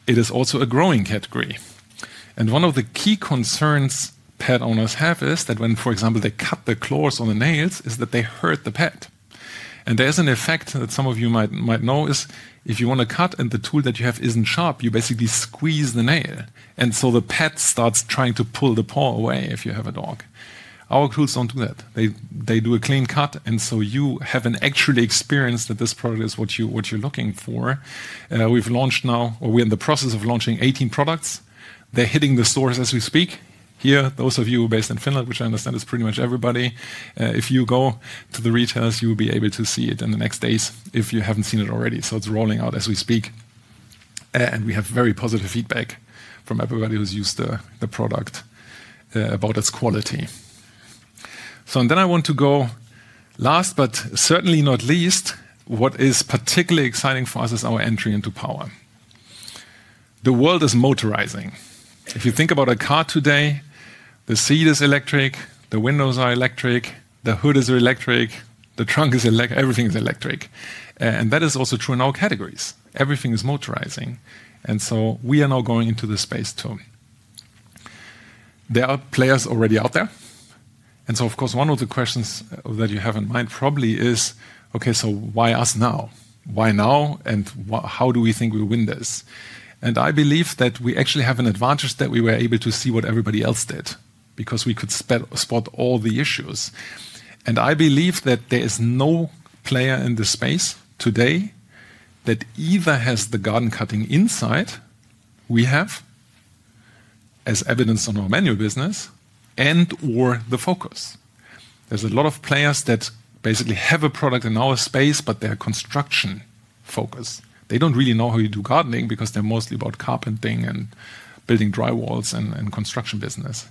It is also a growing category. One of the key concerns pet owners have is that when, for example, they cut the claws on the nails, is that they hurt the pet. There is an effect that some of you might know is if you want to cut and the tool that you have is not sharp, you basically squeeze the nail. The pet starts trying to pull the paw away if you have a dog. Our tools do not do that. They do a clean cut. You have an actual experience that this product is what you are looking for. We've launched now, or we're in the process of launching 18 products. They're hitting the stores as we speak. Here, those of you based in Finland, which I understand is pretty much everybody, if you go to the retailers, you will be able to see it in the next days if you haven't seen it already. It is rolling out as we speak. We have very positive feedback from everybody who's used the product about its quality. I want to go last, but certainly not least, what is particularly exciting for us is our entry into power. The world is motorizing. If you think about a car today, the seat is electric, the windows are electric, the hood is electric, the trunk is electric, everything is electric. That is also true in all categories. Everything is motorizing. We are now going into the space too. There are players already out there. Of course, one of the questions that you have in mind probably is, okay, so why us now? Why now? How do we think we'll win this? I believe that we actually have an advantage that we were able to see what everybody else did because we could spot all the issues. I believe that there is no player in the space today that either has the garden cutting insight we have, as evidenced on our manual business, and/or the focus. There are a lot of players that basically have a product in our space, but they are construction focused. They do not really know how you do gardening because they are mostly about carpenting and building drywalls and construction business.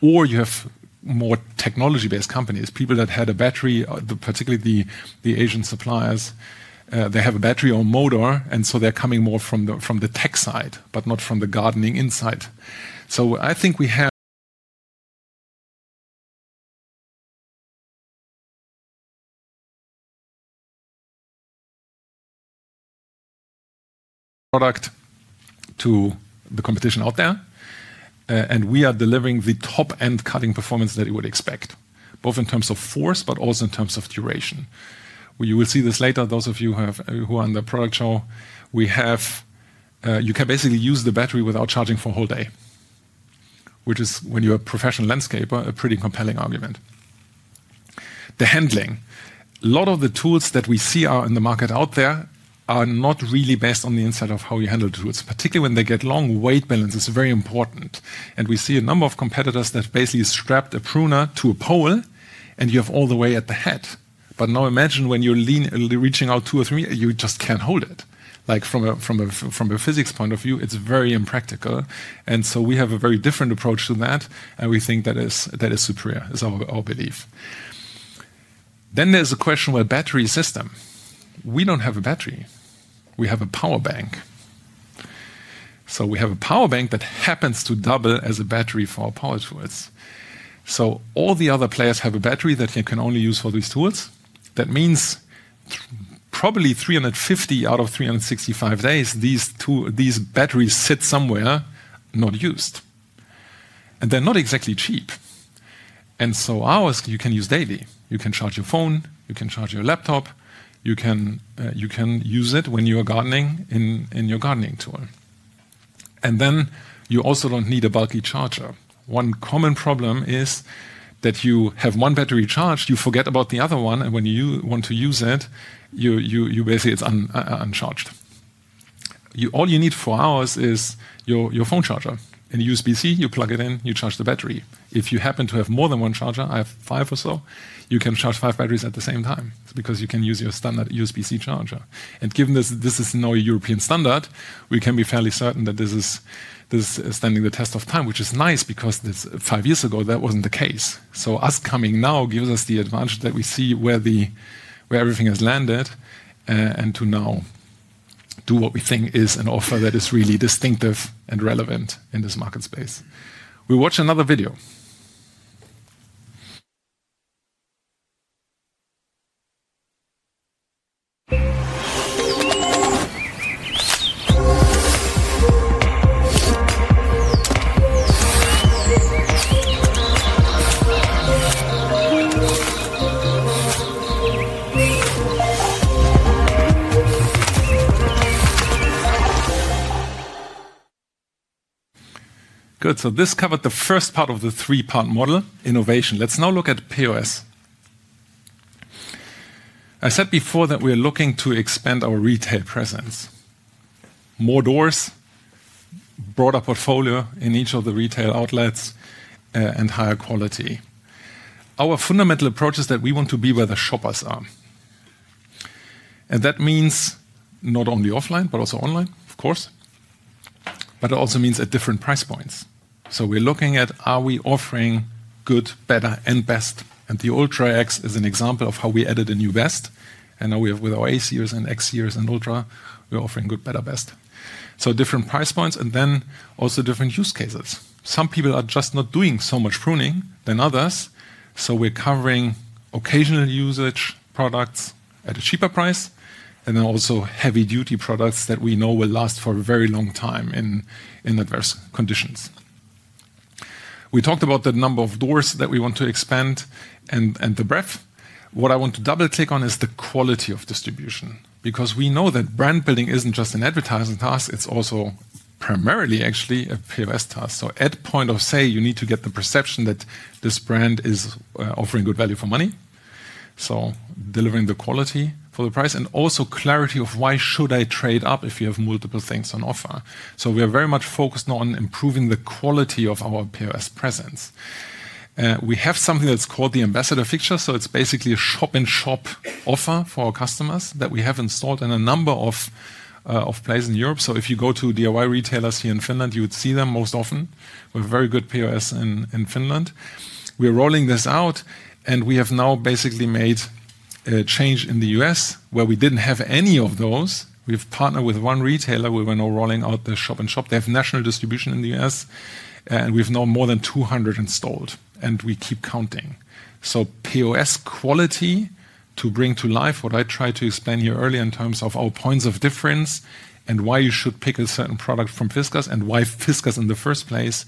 You have more technology-based companies, people that had a battery, particularly the Asian suppliers, they have a battery or motor, and they are coming more from the tech side, but not from the gardening inside. I think we have product to the competition out there, and we are delivering the top-end cutting performance that you would expect, both in terms of force, but also in terms of duration. You will see this later, those of you who are in the product show. You can basically use the battery without charging for a whole day, which is, when you are a professional landscaper, a pretty compelling argument. The handling. A lot of the tools that we see in the market out there are not really based on the inside of how you handle the tools, particularly when they get long. Weight balance is very important. We see a number of competitors that basically strapped a pruner to a pole, and you have all the weight at the head. Now imagine when you're reaching out two or three, you just can't hold it. From a physics point of view, it's very impractical. We have a very different approach to that, and we think that is superior, is our belief. There is a question with a battery system. We do not have a battery. We have a power bank. We have a power bank that happens to double as a battery for our power tools. All the other players have a battery that they can only use for these tools. That means probably 350 out of 365 days, these batteries sit somewhere not used. They are not exactly cheap. Ours, you can use daily. You can charge your phone, you can charge your laptop, you can use it when you are gardening in your gardening tool. You also do not need a bulky charger. One common problem is that you have one battery charged, you forget about the other one, and when you want to use it, basically it is uncharged. All you need for ours is your phone charger and U.S.B-C. You plug it in, you charge the battery. If you happen to have more than one charger, I have five or so, you can charge five batteries at the same time because you can use your standard U.S.B-C charger. Given this is now European standard, we can be fairly certain that this is standing the test of time, which is nice because five years ago, that was not the case. Us coming now gives us the advantage that we see where everything has landed and to now do what we think is an offer that is really distinctive and relevant in this market space. We'll watch another video. Good. This covered the first part of the three-part model, innovation. Let's now look at POS. I said before that we are looking to expand our retail presence. More doors, broader portfolio in each of the retail outlets, and higher quality. Our fundamental approach is that we want to be where the shoppers are. That means not only offline, but also online, of course, but it also means at different price points. We're looking at, are we offering good, better, and best? The Ultra Axe is an example of how we added a new best. Now with our A-series and X-series and Ultra, we're offering good, better, best. So different price points and then also different use cases. Some people are just not doing so much pruning than others. We're covering occasional usage products at a cheaper price and then also heavy-duty products that we know will last for a very long time in adverse conditions. We talked about the number of doors that we want to expand and the breadth. What I want to double-click on is the quality of distribution because we know that brand building isn't just an advertising task. It's also primarily actually a POS task. At point of sale, you need to get the perception that this brand is offering good value for money. Delivering the quality for the price and also clarity of why should I trade up if you have multiple things on offer. We are very much focused on improving the quality of our POS presence. We have something that's called the ambassador fixture. It's basically a shop-in-shop offer for our customers that we have installed in a number of places in Europe. If you go to DIY retailers here in Finland, you would see them most often with very good POS in Finland. We are rolling this out, and we have now basically made a change in the U.S. where we did not have any of those. We have partnered with one retailer where we are now rolling out the shop-in-shop. They have national distribution in the U.S., and we now have more than 200 installed, and we keep counting. POS quality to bring to life, what I tried to explain here earlier in terms of our points of difference and why you should pick a certain product from Fiskars and why Fiskars in the first place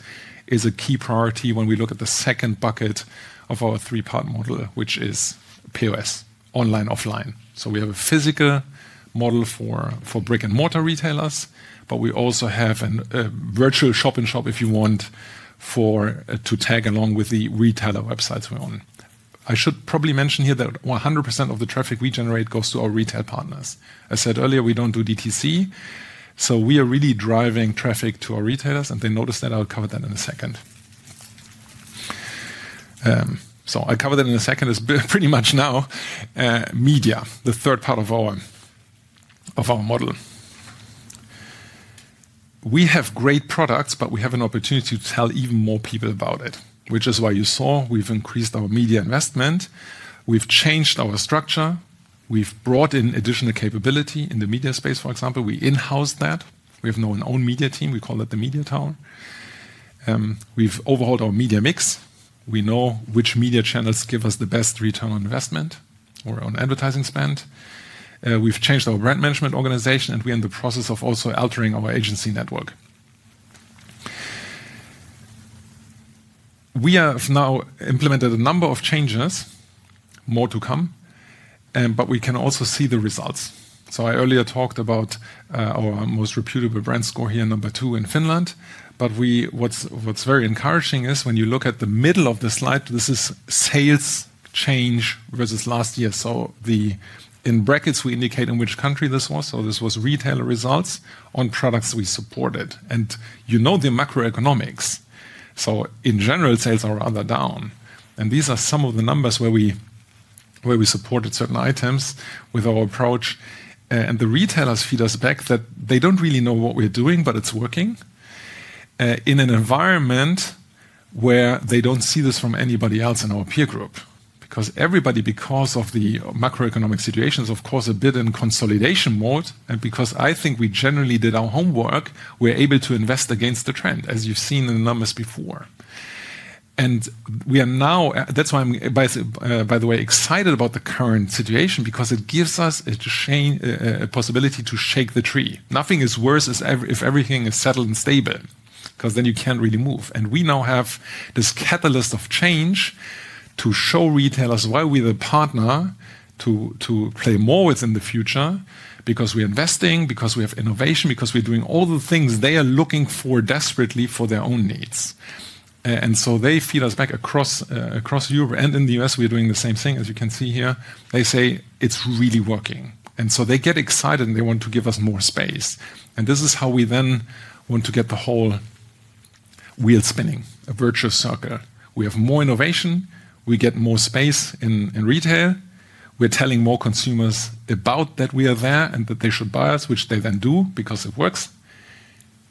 is a key priority when we look at the second bucket of our three-part model, which is POS, online, offline. We have a physical model for brick-and-mortar retailers, but we also have a virtual shop-in-shop if you want to tag along with the retailer websites we're on. I should probably mention here that 100% of the traffic we generate goes to our retail partners. I said earlier we don't do DTC. We are really driving traffic to our retailers, and they noticed that. I'll cover that in a second. It's pretty much now media, the third part of our model. We have great products, but we have an opportunity to tell even more people about it, which is why you saw we've increased our media investment. We've changed our structure. We've brought in additional capability in the media space, for example. We in-house that. We have now an own media team. We call it the Media Town. We've overhauled our media mix. We know which media channels give us the best return on investment or on advertising spend. We've changed our brand management organization, and we are in the process of also altering our agency network. We have now implemented a number of changes, more to come, but we can also see the results. I earlier talked about our most reputable brand score here, number two in Finland. What's very encouraging is when you look at the middle of the slide, this is sales change versus last year. In brackets, we indicate in which country this was. This was retailer results on products we supported. You know the macroeconomics. In general, sales are rather down. These are some of the numbers where we supported certain items with our approach. The retailers feed us back that they do not really know what we are doing, but it is working in an environment where they do not see this from anybody else in our peer group. Because everybody, because of the macroeconomic situation, is of course a bit in consolidation mode. I think we generally did our homework, we are able to invest against the trend, as you have seen in the numbers before. That is why I am, by the way, excited about the current situation because it gives us a possibility to shake the tree. Nothing is worse if everything is settled and stable because then you can't really move. We now have this catalyst of change to show retailers why we're the partner to play more with in the future because we're investing, because we have innovation, because we're doing all the things they are looking for desperately for their own needs. They feed us back across Europe. In the U.S., we're doing the same thing, as you can see here. They say it's really working. They get excited, and they want to give us more space. This is how we then want to get the whole wheel spinning, a virtuous circle. We have more innovation. We get more space in retail. We're telling more consumers that we are there and that they should buy us, which they then do because it works.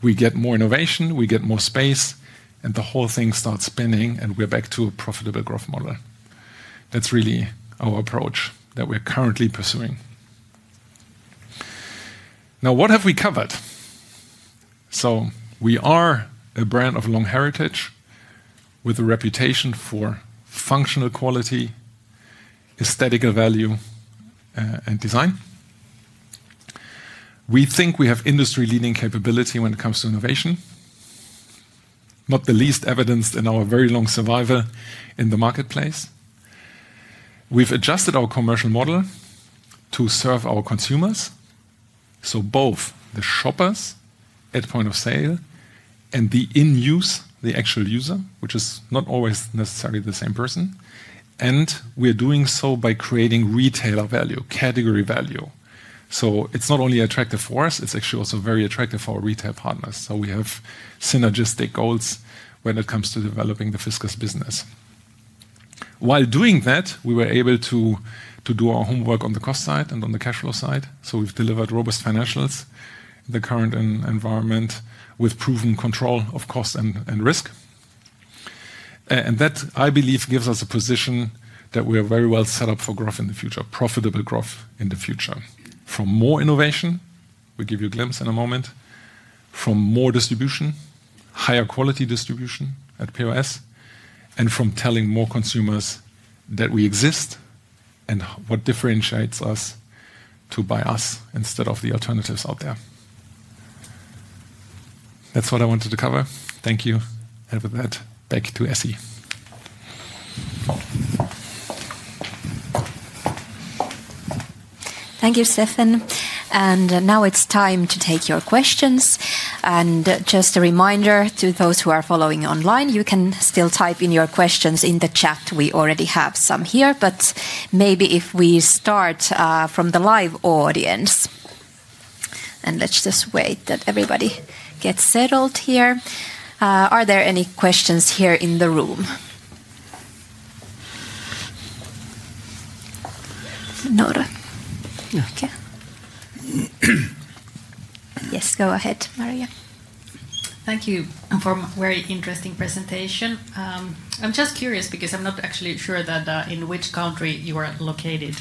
We get more innovation. We get more space. The whole thing starts spinning, and we're back to a profitable growth model. That's really our approach that we're currently pursuing. Now, what have we covered? We are a brand of long heritage with a reputation for functional quality, aesthetical value, and design. We think we have industry-leading capability when it comes to innovation, not the least evidenced in our very long survival in the marketplace. We've adjusted our commercial model to serve our consumers. Both the shoppers at point of sale and the in-use, the actual user, which is not always necessarily the same person. We're doing so by creating retailer value, category value. It is not only attractive for us, it is actually also very attractive for our retail partners. We have synergistic goals when it comes to developing the Fiskars business. While doing that, we were able to do our homework on the cost side and on the cash flow side. We have delivered robust financials in the current environment with proven control of cost and risk. That, I believe, gives us a position that we are very well set up for growth in the future, profitable growth in the future. From more innovation, we will give you a glimpse in a moment, from more distribution, higher quality distribution at POS, and from telling more consumers that we exist and what differentiates us to buy us instead of the alternatives out there. That is what I wanted to cover. Thank you. With that, back to Essi. Thank you, Steffen. Now it is time to take your questions. Just a reminder to those who are following online, you can still type in your questions in the chat. We already have some here, but maybe if we start from the live audience. Let's just wait that everybody gets settled here. Are there any questions here in the room? Noora. Yes, go ahead, Maria. Thank you for a very interesting presentation. I'm just curious because I'm not actually sure in which country you are located.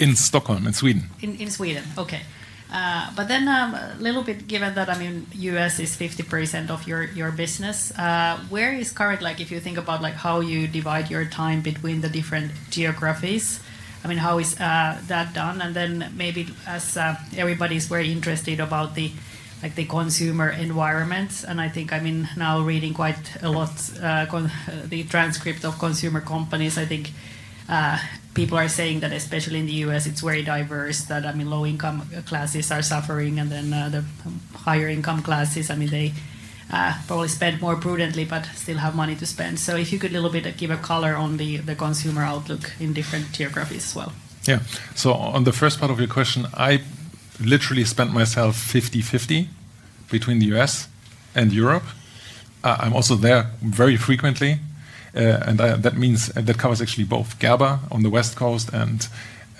In Stockholm, in Sweden. In Sweden, okay. Given that, I mean, U.S. is 50% of your business, where is current, if you think about how you divide your time between the different geographies, I mean, how is that done? Maybe as everybody's very interested about the consumer environment, and I think I'm now reading quite a lot of the transcript of consumer companies, I think people are saying that especially in the U.S., it's very diverse, that, I mean, low-income classes are suffering, and then the higher-income classes, I mean, they probably spend more prudently but still have money to spend. If you could a little bit give a color on the consumer outlook in different geographies as well. Yeah. On the first part of your question, I literally spent myself 50/50 between the U.S. and Europe. I'm also there very frequently. That covers actually both Gerber on the West Coast and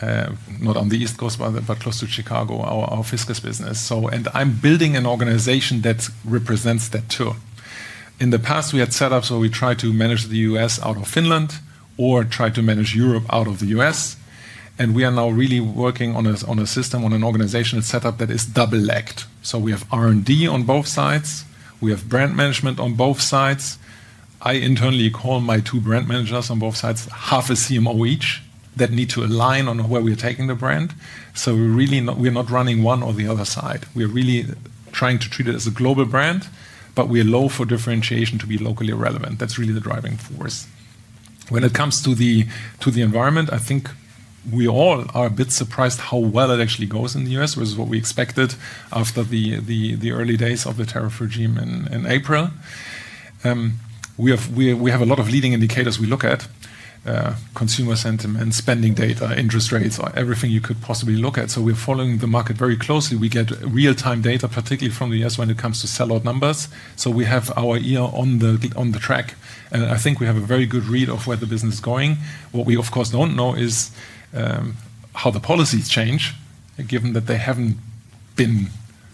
not on the East Coast, but close to Chicago, our Fiskars business. I'm building an organization that represents that too. In the past, we had setups where we tried to manage the U.S. out of Finland or tried to manage Europe out of the U.S. We are now really working on a system, on an organizational setup that is double-legged. We have R&D on both sides. We have brand management on both sides. I internally call my two brand managers on both sides half a CMO each, that need to align on where we are taking the brand. We are not running one or the other side. We are really trying to treat it as a global brand, but we allow for differentiation to be locally relevant. That is really the driving force. When it comes to the environment, I think we all are a bit surprised how well it actually goes in the U.S. versus what we expected after the early days of the tariff regime in April. We have a lot of leading indicators we look at: consumer sentiment, spending data, interest rates, everything you could possibly look at. We are following the market very closely. We get real-time data, particularly from the U.S., when it comes to sellout numbers. We have our ear on the track. I think we have a very good read of where the business is going. What we, of course, do not know is how the policies change, given that they have not been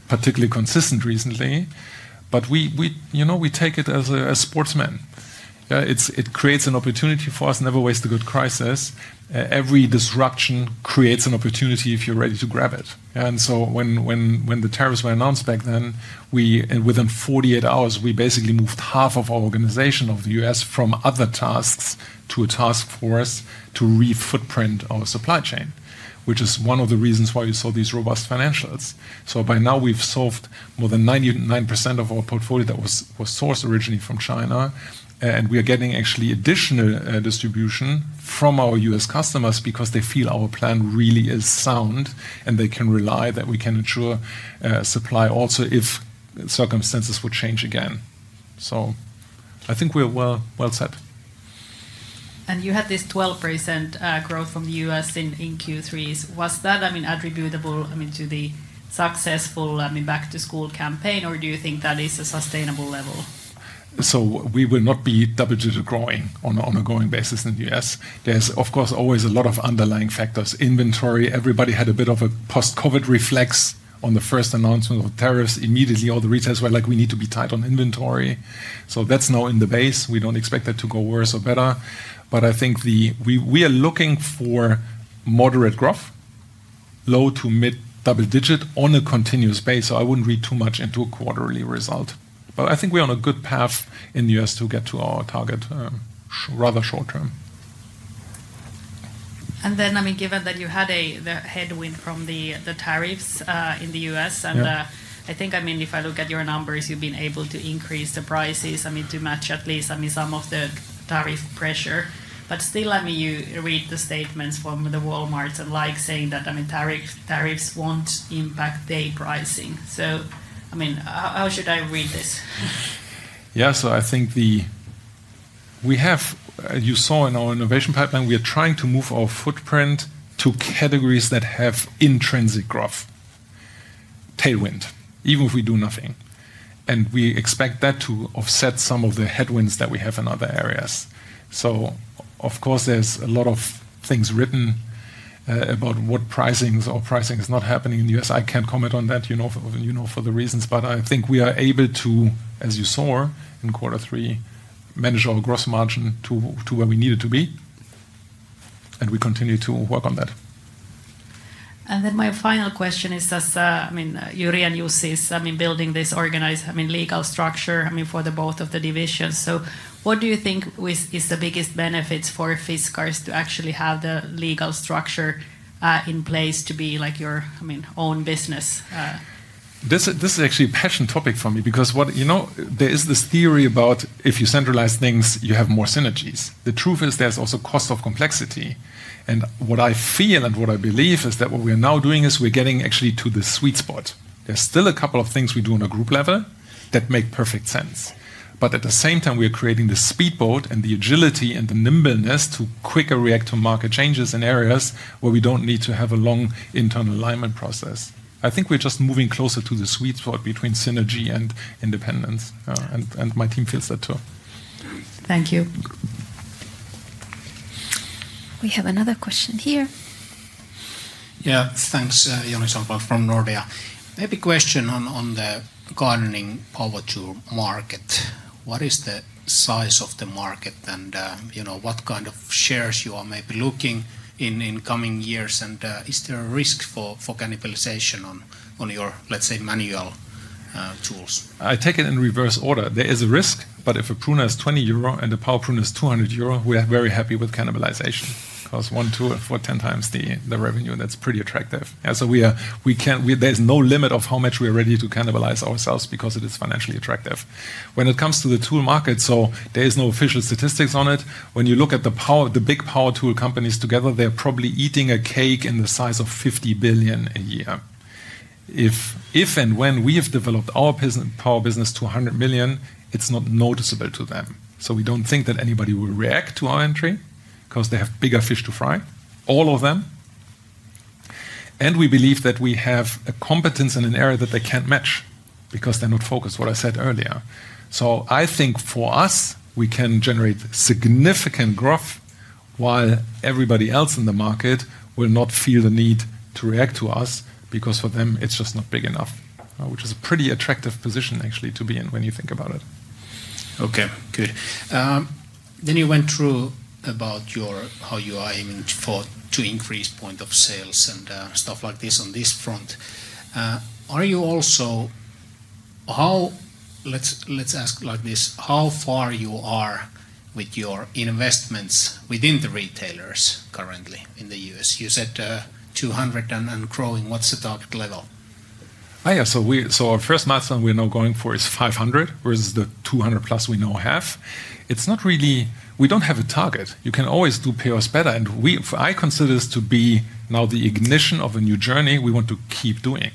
particularly consistent recently. We take it as a sportsman. It creates an opportunity for us, never waste a good crisis. Every disruption creates an opportunity if you are ready to grab it. When the tariffs were announced back then, within 48 hours, we basically moved half of our organization of the U.S. from other tasks to a task force to re-footprint our supply chain, which is one of the reasons why we saw these robust financials. By now, we've solved more than 99% of our portfolio that was sourced originally from China. We are getting actually additional distribution from our U.S. customers because they feel our plan really is sound, and they can rely that we can ensure supply also if circumstances would change again. I think we're well set. You had this 12% growth from the U.S. in Q3s. Was that, I mean, attributable to the successful back-to-school campaign, or do you think that is a sustainable level? We will not be double-digit growing on a growing basis in the U.S.. There's, of course, always a lot of underlying factors. Inventory. Everybody had a bit of a post-COVID reflex on the first announcement of tariffs. Immediately, all the retailers were like, "We need to be tight on inventory." That's now in the base. We don't expect that to go worse or better. I think we are looking for moderate growth, low to mid double-digit on a continuous base. I wouldn't read too much into a quarterly result. I think we're on a good path in the U.S. to get to our target rather short term. I mean, given that you had a headwind from the tariffs in the U.S., and I think, I mean, if I look at your numbers, you've been able to increase the prices, I mean, to match at least some of the tariff pressure. But still, I mean, you read the statements from the Walmarts and like saying that, I mean, tariffs will not impact day pricing. I mean, how should I read this? Yeah. I think we have, as you saw in our innovation pipeline, we are trying to move our footprint to categories that have intrinsic growth, tailwind, even if we do nothing. We expect that to offset some of the headwinds that we have in other areas. Of course, there is a lot of things written about what pricing or pricing is not happening in the U.S.. I cannot comment on that for the reasons. I think we are able to, as you saw in quarter three, manage our gross margin to where we need it to be. We continue to work on that. Then my final question is, I mean, Jyri, you see us, I mean, building this legal structure, I mean, for both of the divisions. What do you think is the biggest benefit for Fiskars to actually have the legal structure in place to be your own business? This is actually a passion topic for me because there is this theory about if you centralize things, you have more synergies. The truth is there's also cost of complexity. What I feel and what I believe is that what we are now doing is we're getting actually to the sweet spot. There's still a couple of things we do on a group level that make perfect sense. At the same time, we are creating the speedboat and the agility and the nimbleness to quicker react to market changes in areas where we do not need to have a long internal alignment process. I think we are just moving closer to the sweet spot between synergy and independence. My team feels that too. Thank you. We have another question here. Yeah. Thanks, Joni Solberg from Nordea. Maybe question on the gardening power tool market. What is the size of the market and what kind of shares you are maybe looking in coming years? Is there a risk for cannibalization on your, let's say, manual tools? I take it in reverse order. There is a risk, but if a prune is 20 euro and a power prune is 200 euro, we are very happy with cannibalization because one tool for 10 times the revenue, that is pretty attractive. There is no limit of how much we are ready to cannibalize ourselves because it is financially attractive. When it comes to the tool market, there is no official statistics on it. When you look at the big power tool companies together, they are probably eating a cake in the size of $50 billion a year. If and when we have developed our power business to $100 million, it is not noticeable to them. We do not think that anybody will react to our entry because they have bigger fish to fry, all of them. We believe that we have a competence in an area that they cannot match because they are not focused, what I said earlier. I think for us, we can generate significant growth while everybody else in the market will not feel the need to react to us because for them, it's just not big enough, which is a pretty attractive position actually to be in when you think about it. Okay. Good. You went through about how you are aiming to increase point of sales and stuff like this on this front. Let's ask like this, how far you are with your investments within the retailers currently in the U.S.? You said 200 and growing. What's the target level? Our first milestone we're now going for is 500 versus the 200+ we now have. We don't have a target. You can always do pay us better. I consider this to be now the ignition of a new journey we want to keep doing.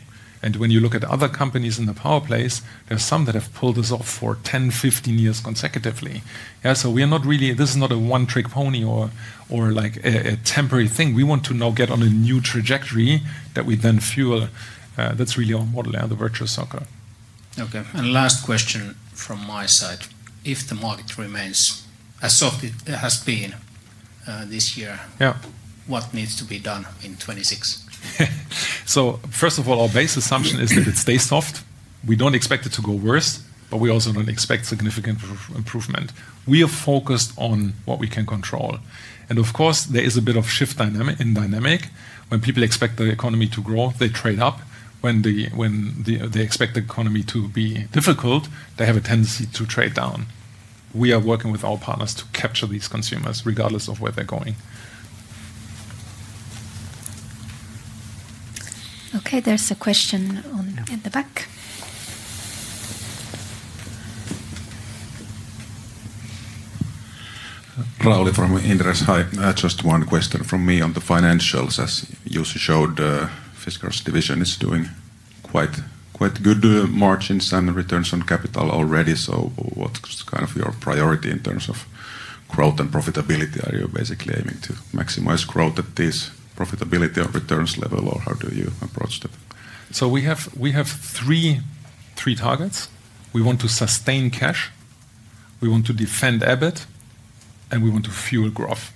When you look at other companies in the power place, there are some that have pulled this off for 10-15 years consecutively. This is not a one-trick pony or a temporary thing. We want to now get on a new trajectory that we then fuel. That is really our model and the virtual circle. Okay. Last question from my side. If the market remains as soft as it has been this year, what needs to be done in 2026? First of all, our base assumption is that it stays soft. We do not expect it to go worse, but we also do not expect significant improvement. We are focused on what we can control. Of course, there is a bit of shift in dynamic. When people expect the economy to grow, they trade up. When they expect the economy to be difficult, they have a tendency to trade down. We are working with our partners to capture these consumers regardless of where they're going. Okay. There's a question in the back. Raleigh from Inderes. Hi. Just one question from me on the financials. As you showed, the Fiskars division is doing quite good margins and returns on capital already. So what's kind of your priority in terms of growth and profitability? Are you basically aiming to maximize growth at this profitability or returns level, or how do you approach that? We have three targets. We want to sustain cash. We want to defend EBIT, and we want to fuel growth.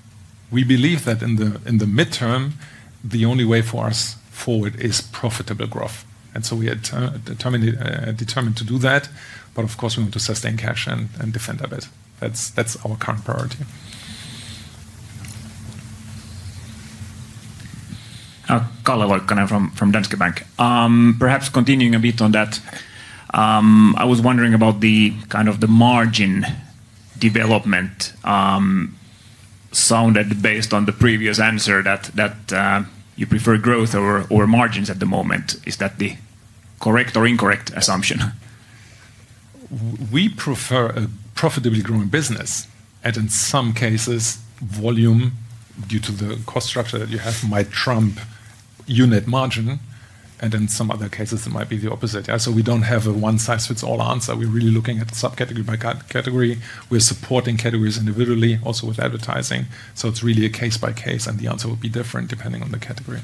We believe that in the midterm, the only way for us forward is profitable growth. We are determined to do that. Of course, we want to sustain cash and defend EBIT. That's our current priority. Calla Loikkanen from Danske Bank. Perhaps continuing a bit on that, I was wondering about the kind of the margin development. It sounded based on the previous answer that you prefer growth or margins at the moment. Is that the correct or incorrect assumption? We prefer a profitably growing business. In some cases, volume due to the cost structure that you have might trump unit margin. In some other cases, it might be the opposite. We do not have a one-size-fits-all answer. We are really looking at subcategory by category. We are supporting categories individually, also with advertising. It is really a case by case, and the answer will be different depending on the category.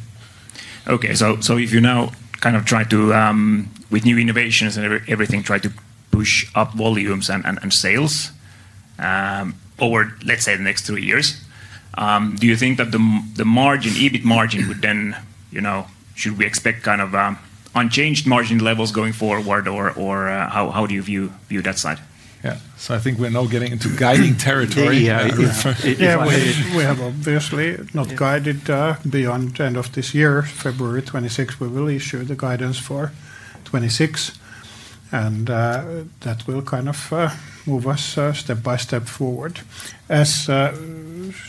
Okay. If you now kind of try to, with new innovations and everything, try to push up volumes and sales over, let's say, the next three years, do you think that the EBIT margin would then, should we expect kind of unchanged margin levels going forward, or how do you view that side? Yeah. I think we're now getting into guiding territory. Yeah. We have obviously not guided beyond the end of this year. February 26, we will issue the guidance for 2026. That will kind of move us step by step forward. As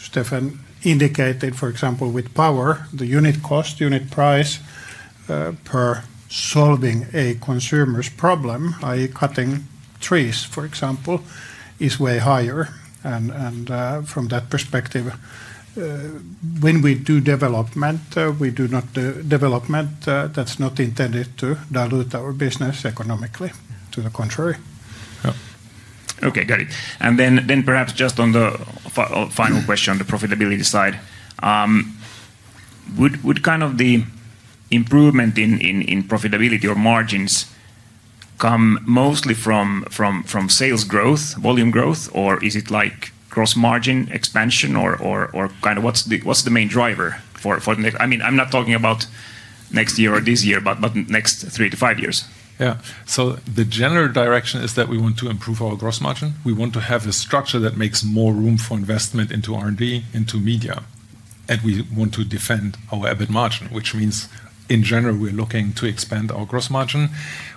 Steffen indicated, for example, with power, the unit cost, unit price per solving a consumer's problem, i.e., cutting trees, for example, is way higher. From that perspective, when we do development, we do not do development that's not intended to dilute our business economically. To the contrary. Okay. Got it. Perhaps just on the final question, the profitability side, would kind of the improvement in profitability or margins come mostly from sales growth, volume growth, or is it like gross margin expansion? What is the main driver for, I mean, I am not talking about next year or this year, but next three to five years. Yeah. The general direction is that we want to improve our gross margin. We want to have a structure that makes more room for investment into R&D, into media. We want to defend our EBIT margin, which means in general, we are looking to expand our gross margin.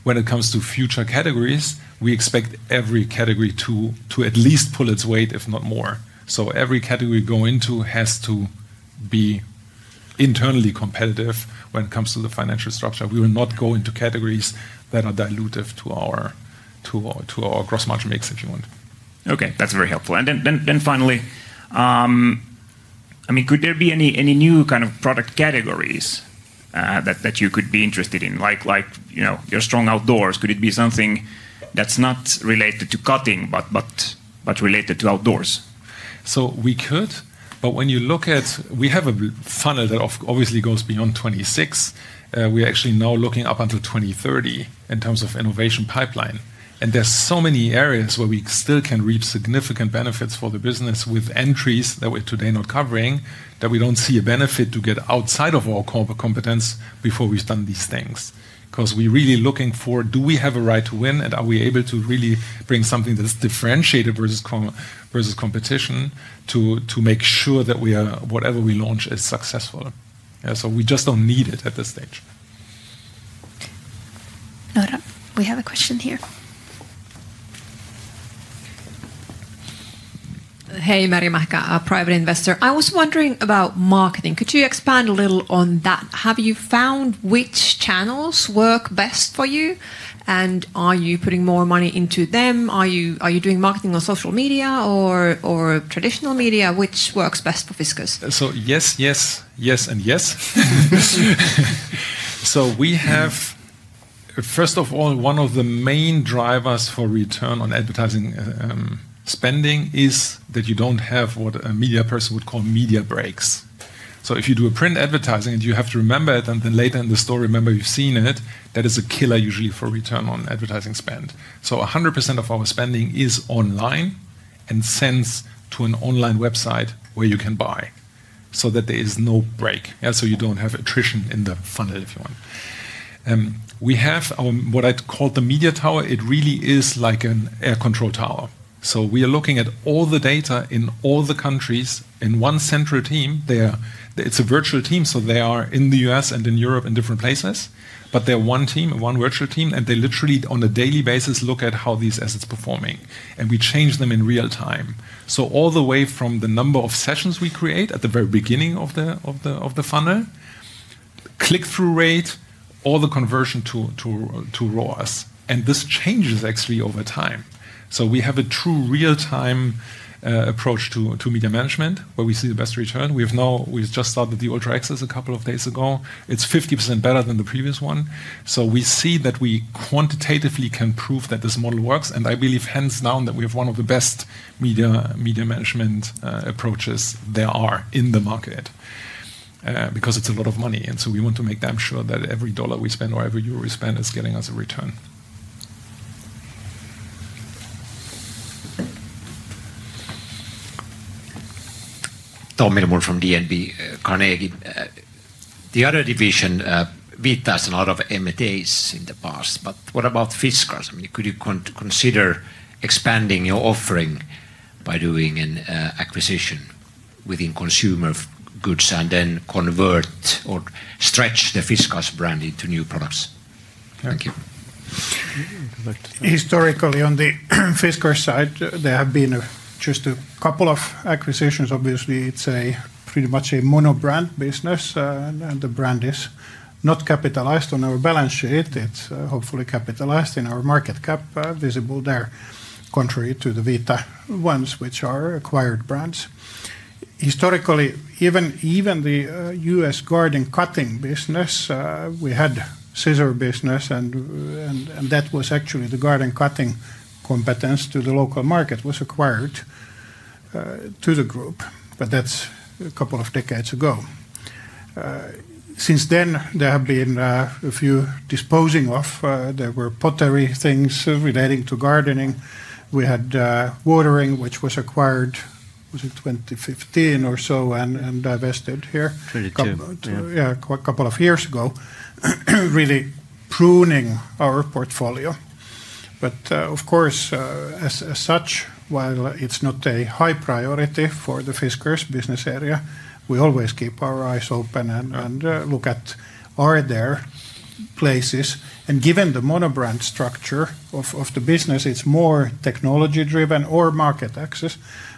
When it comes to future categories, we expect every category to at least pull its weight, if not more. Every category going into has to be internally competitive when it comes to the financial structure. We will not go into categories that are dilutive to our gross margin mix, if you want. Okay. That's very helpful. And then finally, I mean, could there be any new kind of product categories that you could be interested in? Like your strong outdoors, could it be something that's not related to cutting but related to outdoors? So we could. But when you look at, we have a funnel that obviously goes beyond 2026. We're actually now looking up until 2030 in terms of innovation pipeline. And there's so many areas where we still can reap significant benefits for the business with entries that we're today not covering that we don't see a benefit to get outside of our competence before we've done these things. Because we're really looking for, do we have a right to win, and are we able to really bring something that's differentiated versus competition to make sure that whatever we launch is successful? We just don't need it at this stage. We have a question here. Hey, Mari-Mahka, a private investor. I was wondering about marketing. Could you expand a little on that? Have you found which channels work best for you, and are you putting more money into them? Are you doing marketing on social media or traditional media? Which works best for Fiskars? Yes, yes, yes, and yes. We have, first of all, one of the main drivers for return on advertising spending is that you don't have what a media person would call media breaks. If you do a print advertising and you have to remember it, and then later in the story, remember you've seen it, that is a killer usually for return on advertising spend. 100% of our spending is online and sends to an online website where you can buy so that there is no break. You don't have attrition in the funnel if you want. We have what I'd call the media tower. It really is like an air control tower. We are looking at all the data in all the countries in one central team. It's a virtual team, so they are in the U.S. and in Europe in different places. They're one team, one virtual team, and they literally, on a daily basis, look at how these assets are performing. We change them in real time. All the way from the number of sessions we create at the very beginning of the funnel, click-through rate, all the conversion to ROAS. This changes actually over time. We have a true real-time approach to media management where we see the best return. We just started the Ultra Axe a couple of days ago. It is 50% better than the previous one. We see that we quantitatively can prove that this model works. I believe hands down that we have one of the best media management approaches there are in the market because it is a lot of money. We want to make sure that every dollar we spend or every euro we spend is getting us a return. Tom Milborn from DNB, Carnegie. The other division, we have done a lot of M&As in the past, but what about Fiskars? I mean, could you consider expanding your offering by doing an acquisition within consumer goods and then convert or stretch the Fiskars brand into new products? Thank you. Historically, on the Fiskars side, there have been just a couple of acquisitions. Obviously, it's pretty much a monobrand business, and the brand is not capitalized on our balance sheet. It's hopefully capitalized in our market cap visible there, contrary to the Vita ones, which are acquired brands. Historically, even the U.S. garden cutting business, we had scissor business, and that was actually the garden cutting competence to the local market was acquired to the group. But that's a couple of decades ago. Since then, there have been a few disposing of. There were pottery things relating to gardening. We had watering, which was acquired, was it 2015 or so, and divested here a couple of years ago, really pruning our portfolio. Of course, as such, while it's not a high priority for the Fiskars business area, we always keep our eyes open and look at are there places. Given the monobrand structure of the business, it's more technology-driven or market access.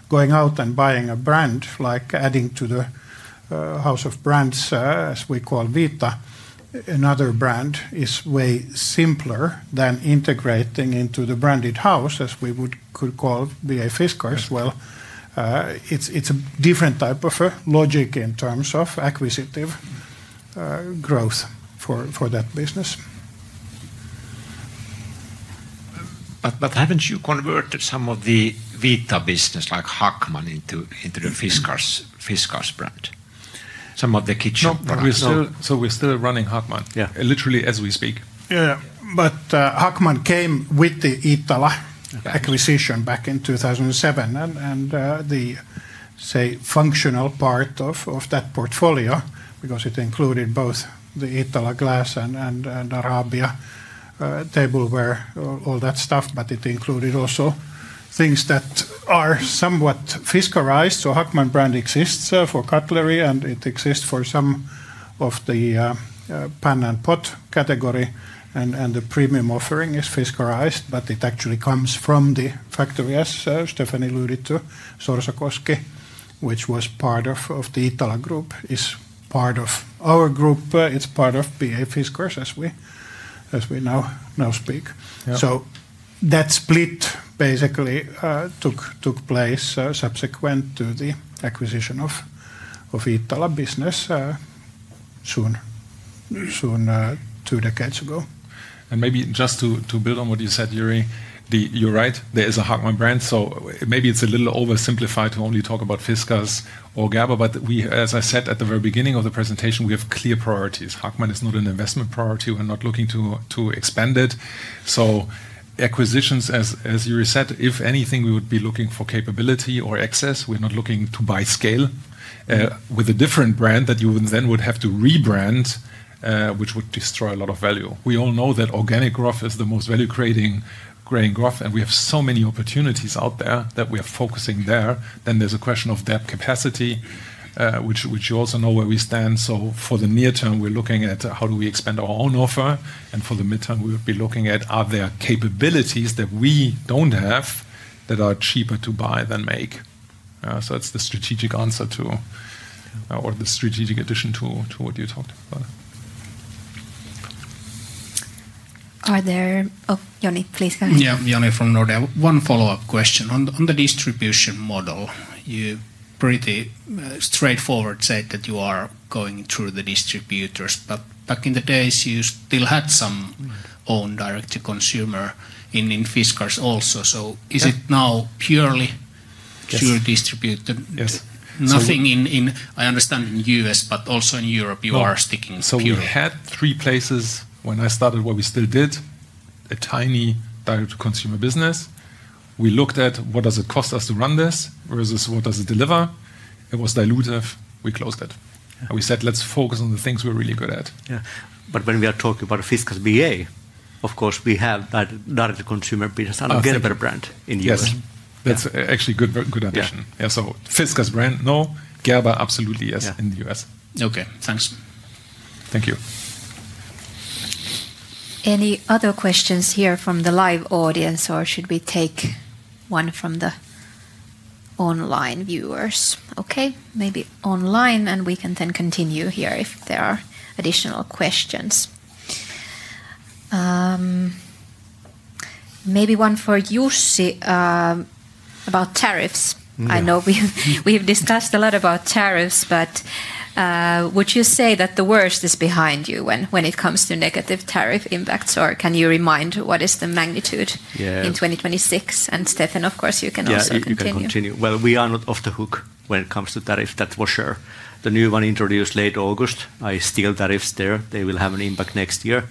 Going out and buying a brand, like adding to the house of brands, as we call Vita, another brand is way simpler than integrating into the branded house, as we would call via Fiskars as well. It's a different type of logic in terms of acquisitive growth for that business. Haven't you converted some of the Vita business, like Hackman, into the Fiskars brand? Some of the kitchen products. We're still running Hackman, literally as we speak. Yeah. Hackman came with the Iittala acquisition back in 2007 and the, say, functional part of that portfolio because it included both the Iittala glass and Arabia tableware, all that stuff. It included also things that are somewhat Fiskarized. Hackman brand exists for cutlery, and it exists for some of the pan and pot category. The premium offering is Fiskarized, but it actually comes from the factory as Steffen alluded to, Sorsakoski, which was part of the Iittala group, is part of our group. It is part of BA Fiskars, as we now speak. That split basically took place subsequent to the acquisition of Iittala business soon, two decades ago. Maybe just to build on what you said, Jyri, you are right. There is a Hackman brand. Maybe it is a little oversimplified to only talk about Fiskars or Gerber. As I said at the very beginning of the presentation, we have clear priorities. Hackman is not an investment priority. We're not looking to expand it. Acquisitions, as Jyri said, if anything, we would be looking for capability or access. We're not looking to buy scale with a different brand that you then would have to rebrand, which would destroy a lot of value. We all know that organic growth is the most value-creating kind of growth, and we have so many opportunities out there that we are focusing there. There is a question of depth capacity, which you also know where we stand. For the near term, we're looking at how do we expand our own offer. For the midterm, we would be looking at are there capabilities that we do not have that are cheaper to buy than make. It is the strategic answer to or the strategic addition to what you talked about. Oh, Joni, please go ahead. Yeah, Joni from Nordea. One follow-up question. On the distribution model, you pretty straightforward said that you are going through the distributors. Back in the days, you still had some own direct-to-consumer in Fiskars also. Is it now purely through distributor? Yes. Nothing in, I understand, in the U.S., but also in Europe, you are sticking purely. We had three places when I started where we still did a tiny direct-to-consumer business. We looked at what does it cost us to run this versus what does it deliver. It was dilutive. We closed it. We said, let's focus on the things we're really good at. Yeah. When we are talking about Fiskars BA, of course, we have direct-to-consumer business and a Gerber brand in the U.S. Yes. That's actually a good addition. Yeah. So Fiskars brand, no. Gerber, absolutely, yes, in the U.S. Okay. Thanks. Thank you. Any other questions here from the live audience, or should we take one from the online viewers? Okay. Maybe online, and we can then continue here if there are additional questions. Maybe one for Jussi about tariffs. I know we've discussed a lot about tariffs, but would you say that the worst is behind you when it comes to negative tariff impacts, or can you remind what is the magnitude in 2026? And Steffen, of course, you can also continue. Yeah, you can continue. We are not off the hook when it comes to tariffs. That was sure. The new one introduced late August, I still tariffs there. They will have an impact next year.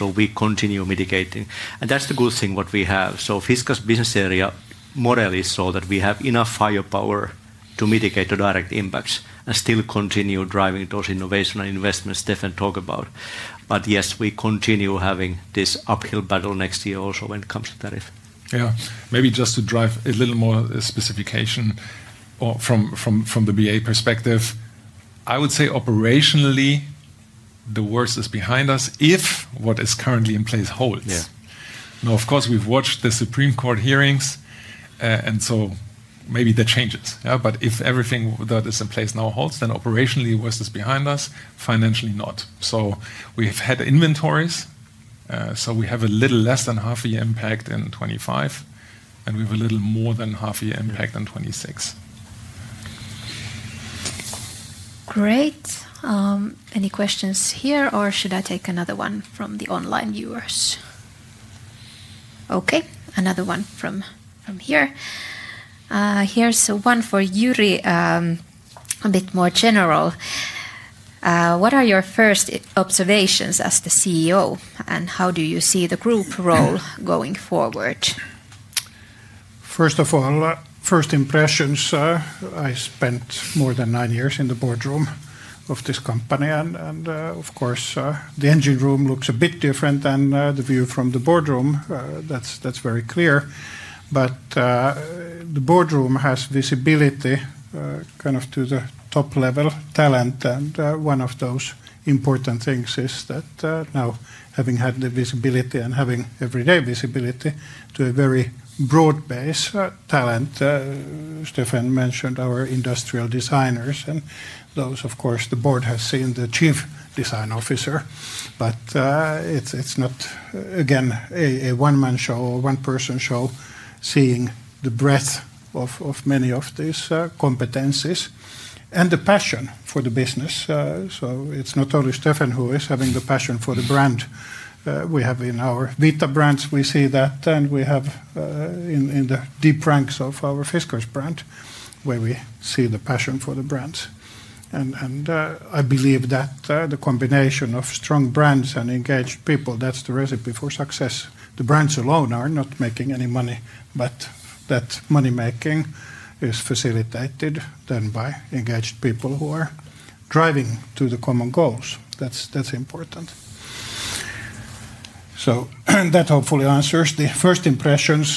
We continue mitigating. That's the good thing what we have. Fiskars business area model is so that we have enough firepower to mitigate the direct impacts and still continue driving those innovation and investments Steffen talked about. Yes, we continue having this uphill battle next year also when it comes to tariff. Yeah. Maybe just to drive a little more specification from the BA perspective, I would say operationally, the worst is behind us if what is currently in place holds. Now, of course, we've watched the Supreme Court hearings, and so maybe that changes. If everything that is in place now holds, then operationally, the worst is behind us. Financially, not. We have had inventories, so we have a little less than half a year impact in 2025, and we have a little more than half a year impact in 2026. Great. Any questions here, or should I take another one from the online viewers? Okay. Another one from here. Here's one for Jyri, a bit more general. What are your first observations as the CEO, and how do you see the group role going forward? First of all, first impressions. I spent more than nine years in the Boardroom of this company, and of course, the engine room looks a bit different than the view from the Boardroom. That is very clear. the Boardroom has visibility kind of to the top-level talent. One of those important things is that now, having had the visibility and having everyday visibility to a very broad base talent, Steffen mentioned our industrial designers. Those, of course, the Board has seen the Chief Design Officer. It is not, again, a one-man show or one-person show seeing the breadth of many of these competencies and the passion for the business. It's not only Steffen who is having the passion for the brand. We have in our Vita brands, we see that, and we have in the deep ranks of our Fiskars brand where we see the passion for the brands. I believe that the combination of strong brands and engaged people, that's the recipe for success. The brands alone are not making any money, but that money-making is facilitated then by engaged people who are driving to the common goals. That's important. Hopefully that answers the first impressions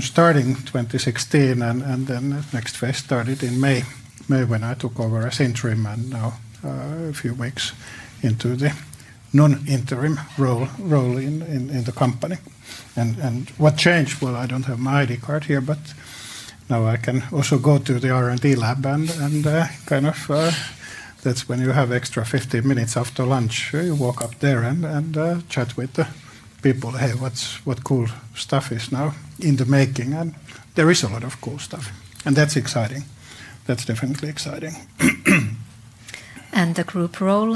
starting 2016, and then the next phase started in May, May when I took over as interim and now a few weeks into the non-interim role in the company. What changed? I don't have my ID card here, but now I can also go to the R&D lab and kind of that's when you have extra 15 minutes after lunch. You walk up there and chat with the people, "Hey, what cool stuff is now in the making?" There is a lot of cool stuff. That's exciting. That's definitely exciting. The group role?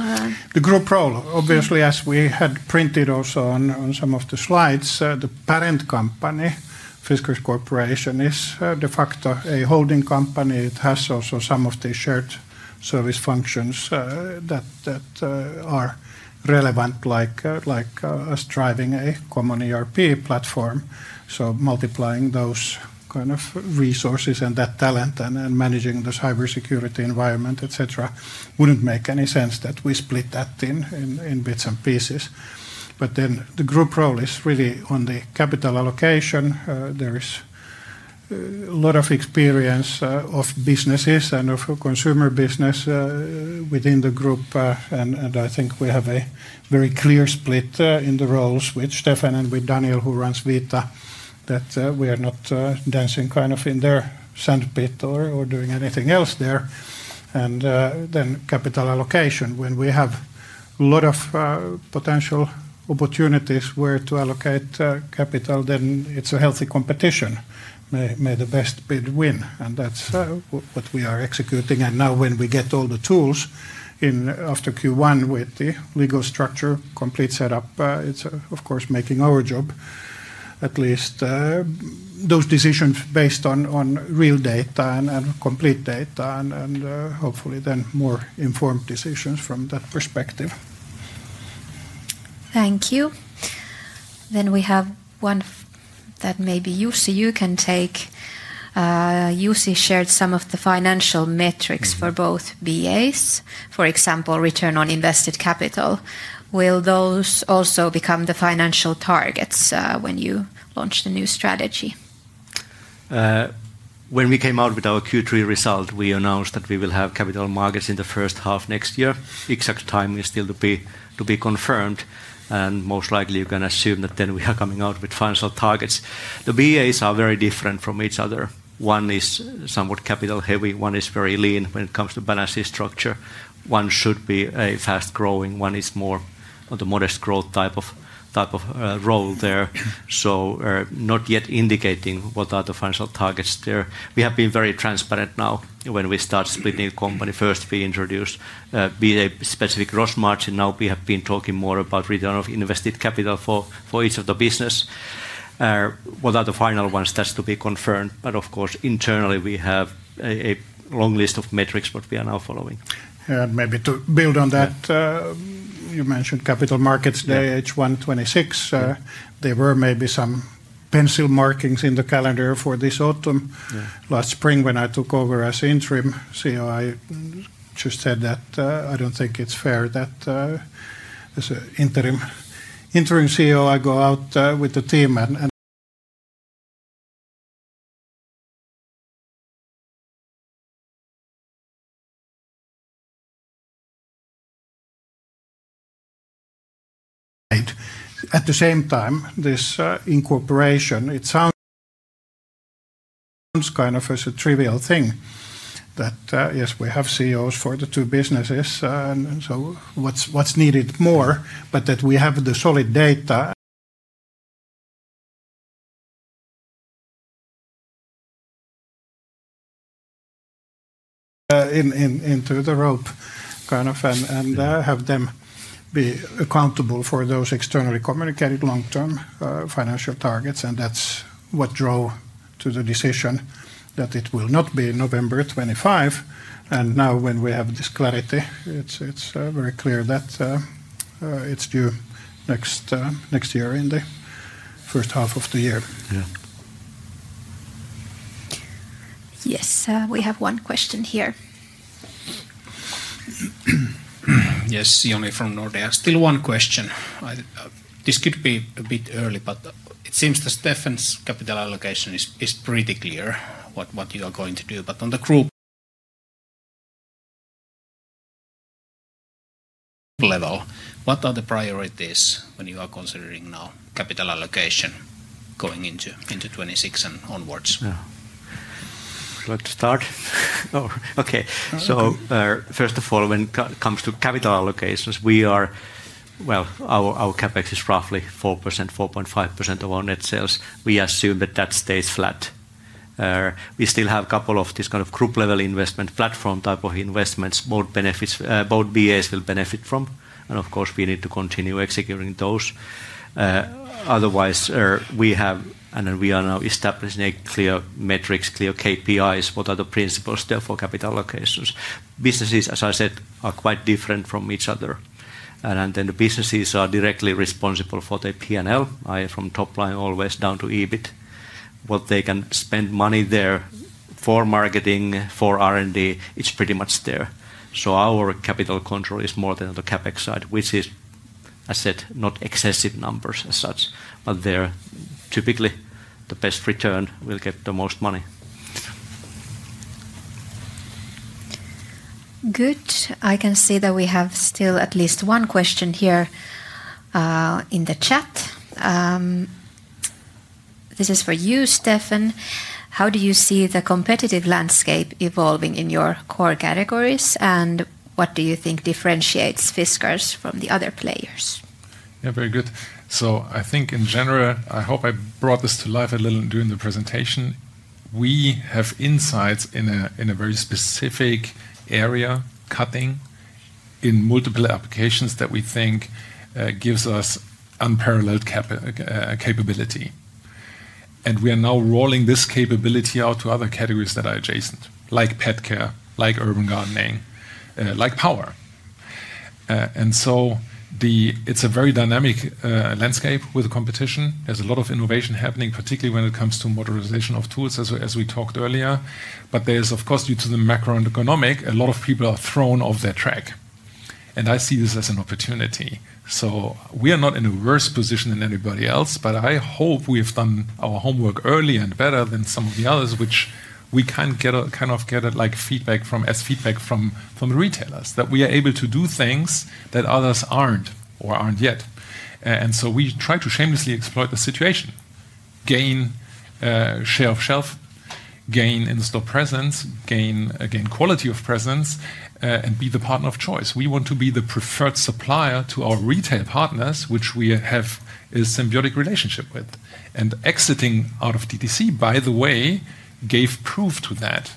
The group role, obviously, as we had printed also on some of the slides, the parent company, Fiskars Corporation, is de facto a holding company. It has also some of the shared service functions that are relevant, like us driving a common ERP platform. Multiplying those kind of resources and that talent and managing the cybersecurity environment, etc., wouldn't make any sense that we split that in bits and pieces. The group role is really on the capital allocation. There is a lot of experience of businesses and of consumer business within the group. I think we have a very clear split in the roles with Steffen and with Daniela, who runs Vita, that we are not dancing kind of in their sandpit or doing anything else there. Capital allocation, when we have a lot of potential opportunities where to allocate capital, then it's a healthy competition. May the best bid win. That's what we are executing. Now when we get all the tools after Q1 with the legal structure complete setup, it's, of course, making our job, at least those decisions based on real data and complete data and hopefully then more informed decisions from that perspective. Thank you. We have one that maybe Jussi, you can take. Jussi shared some of the financial metrics for both BAs, for example, return on invested capital. Will those also become the financial targets when you launch the new strategy? When we came out with our Q3 result, we announced that we will have capital markets in the first half next year. Exact time is still to be confirmed. Most likely, you can assume that then we are coming out with financial targets. The BAs are very different from each other. One is somewhat capital-heavy. One is very lean when it comes to balance sheet structure. One should be a fast-growing. One is more of the modest growth type of role there. Not yet indicating what are the financial targets there. We have been very transparent now. When we start splitting the company, first we introduced BA-specific gross margin. Now we have been talking more about return of invested capital for each of the business. What are the final ones? That is to be confirmed. Of course, internally, we have a long list of metrics that we are now following. Maybe to build on that, you mentioned capital markets day H126. There were maybe some pencil markings in the calendar for this autumn. Last spring, when I took over as interim CEO, I just said that I do not think it is fair that as an interim CEO, I go out with the team. At the same time, this incorporation, it sounds kind of as a trivial thing that, yes, we have CEOs for the two businesses. What is needed more is that we have the solid data into the rope kind of and have them be accountable for those externally communicated long-term financial targets. That is what drove to the decision that it will not be November 2025. Now when we have this clarity, it is very clear that it is due next year in the first half of the year. Yes, we have one question here. Yes, Joni from Nordea. Still one question. This could be a bit early, but it seems that Steffen's capital allocation is pretty clear what you are going to do. On the group level, what are the priorities when you are considering now capital allocation going into 2026 and onwards? Let's start. Okay. First of all, when it comes to capital allocations, our CapEx is roughly 4%-4.5% of our net sales. We assume that stays flat. We still have a couple of this kind of group-level investment platform type of investments. Both BAs will benefit from. Of course, we need to continue executing those. Otherwise, we have, and we are now establishing clear metrics, clear KPIs, what are the principles there for capital allocations. Businesses, as I said, are quite different from each other. The businesses are directly responsible for the P&L, from top line always down to EBIT. What they can spend money there for marketing, for R&D, it's pretty much there. Our capital control is more on the CapEx side, which is, as I said, not excessive numbers as such, but typically the best return will get the most money. Good. I can see that we have still at least one question here in the chat. This is for you, Steffen. How do you see the competitive landscape evolving in your core categories? What do you think differentiates Fiskars from the other players? Yeah, very good. I think in general, I hope I brought this to life a little during the presentation. We have insights in a very specific area, cutting in multiple applications, that we think gives us unparalleled capability. We are now rolling this capability out to other categories that are adjacent, like pet care, like urban gardening, like power. It is a very dynamic landscape with competition. There is a lot of innovation happening, particularly when it comes to modernization of tools, as we talked earlier. There is, of course, due to the macro and economic, a lot of people are thrown off their track. I see this as an opportunity. We are not in a worse position than anybody else, but I hope we have done our homework earlier and better than some of the others, which we kind of get feedback from retailers, that we are able to do things that others are not or are not yet. We try to shamelessly exploit the situation, gain share of shelf, gain in-store presence, gain quality of presence, and be the partner of choice. We want to be the preferred supplier to our retail partners, which we have a symbiotic relationship with. Exiting out of DTC, by the way, gave proof to that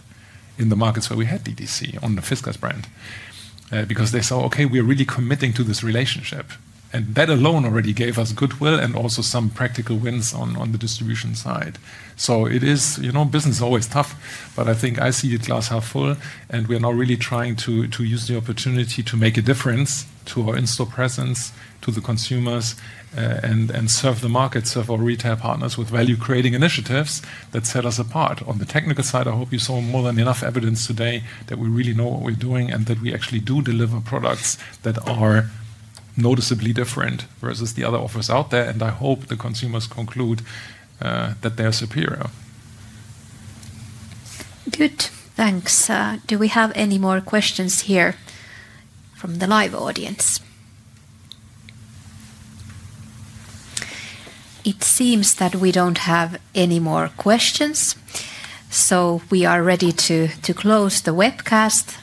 in the markets where we had DTC on the Fiskars brand because they saw, "Okay, we are really committing to this relationship." That alone already gave us goodwill and also some practical wins on the distribution side. Business is always tough, but I think I see the glass half full, and we are now really trying to use the opportunity to make a difference to our in-store presence, to the consumers, and serve the market, serve our retail partners with value-creating initiatives that set us apart. On the technical side, I hope you saw more than enough evidence today that we really know what we're doing and that we actually do deliver products that are noticeably different versus the other offers out there. I hope the consumers conclude that they are superior. Good. Thanks. Do we have any more questions here from the live audience? It seems that we do not have any more questions. We are ready to close the webcast.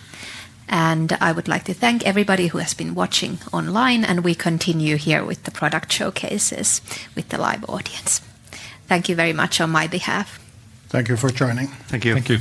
I would like to thank everybody who has been watching online, and we continue here with the product showcases with the live audience. Thank you very much on my behalf. Thank you for joining. Thank you.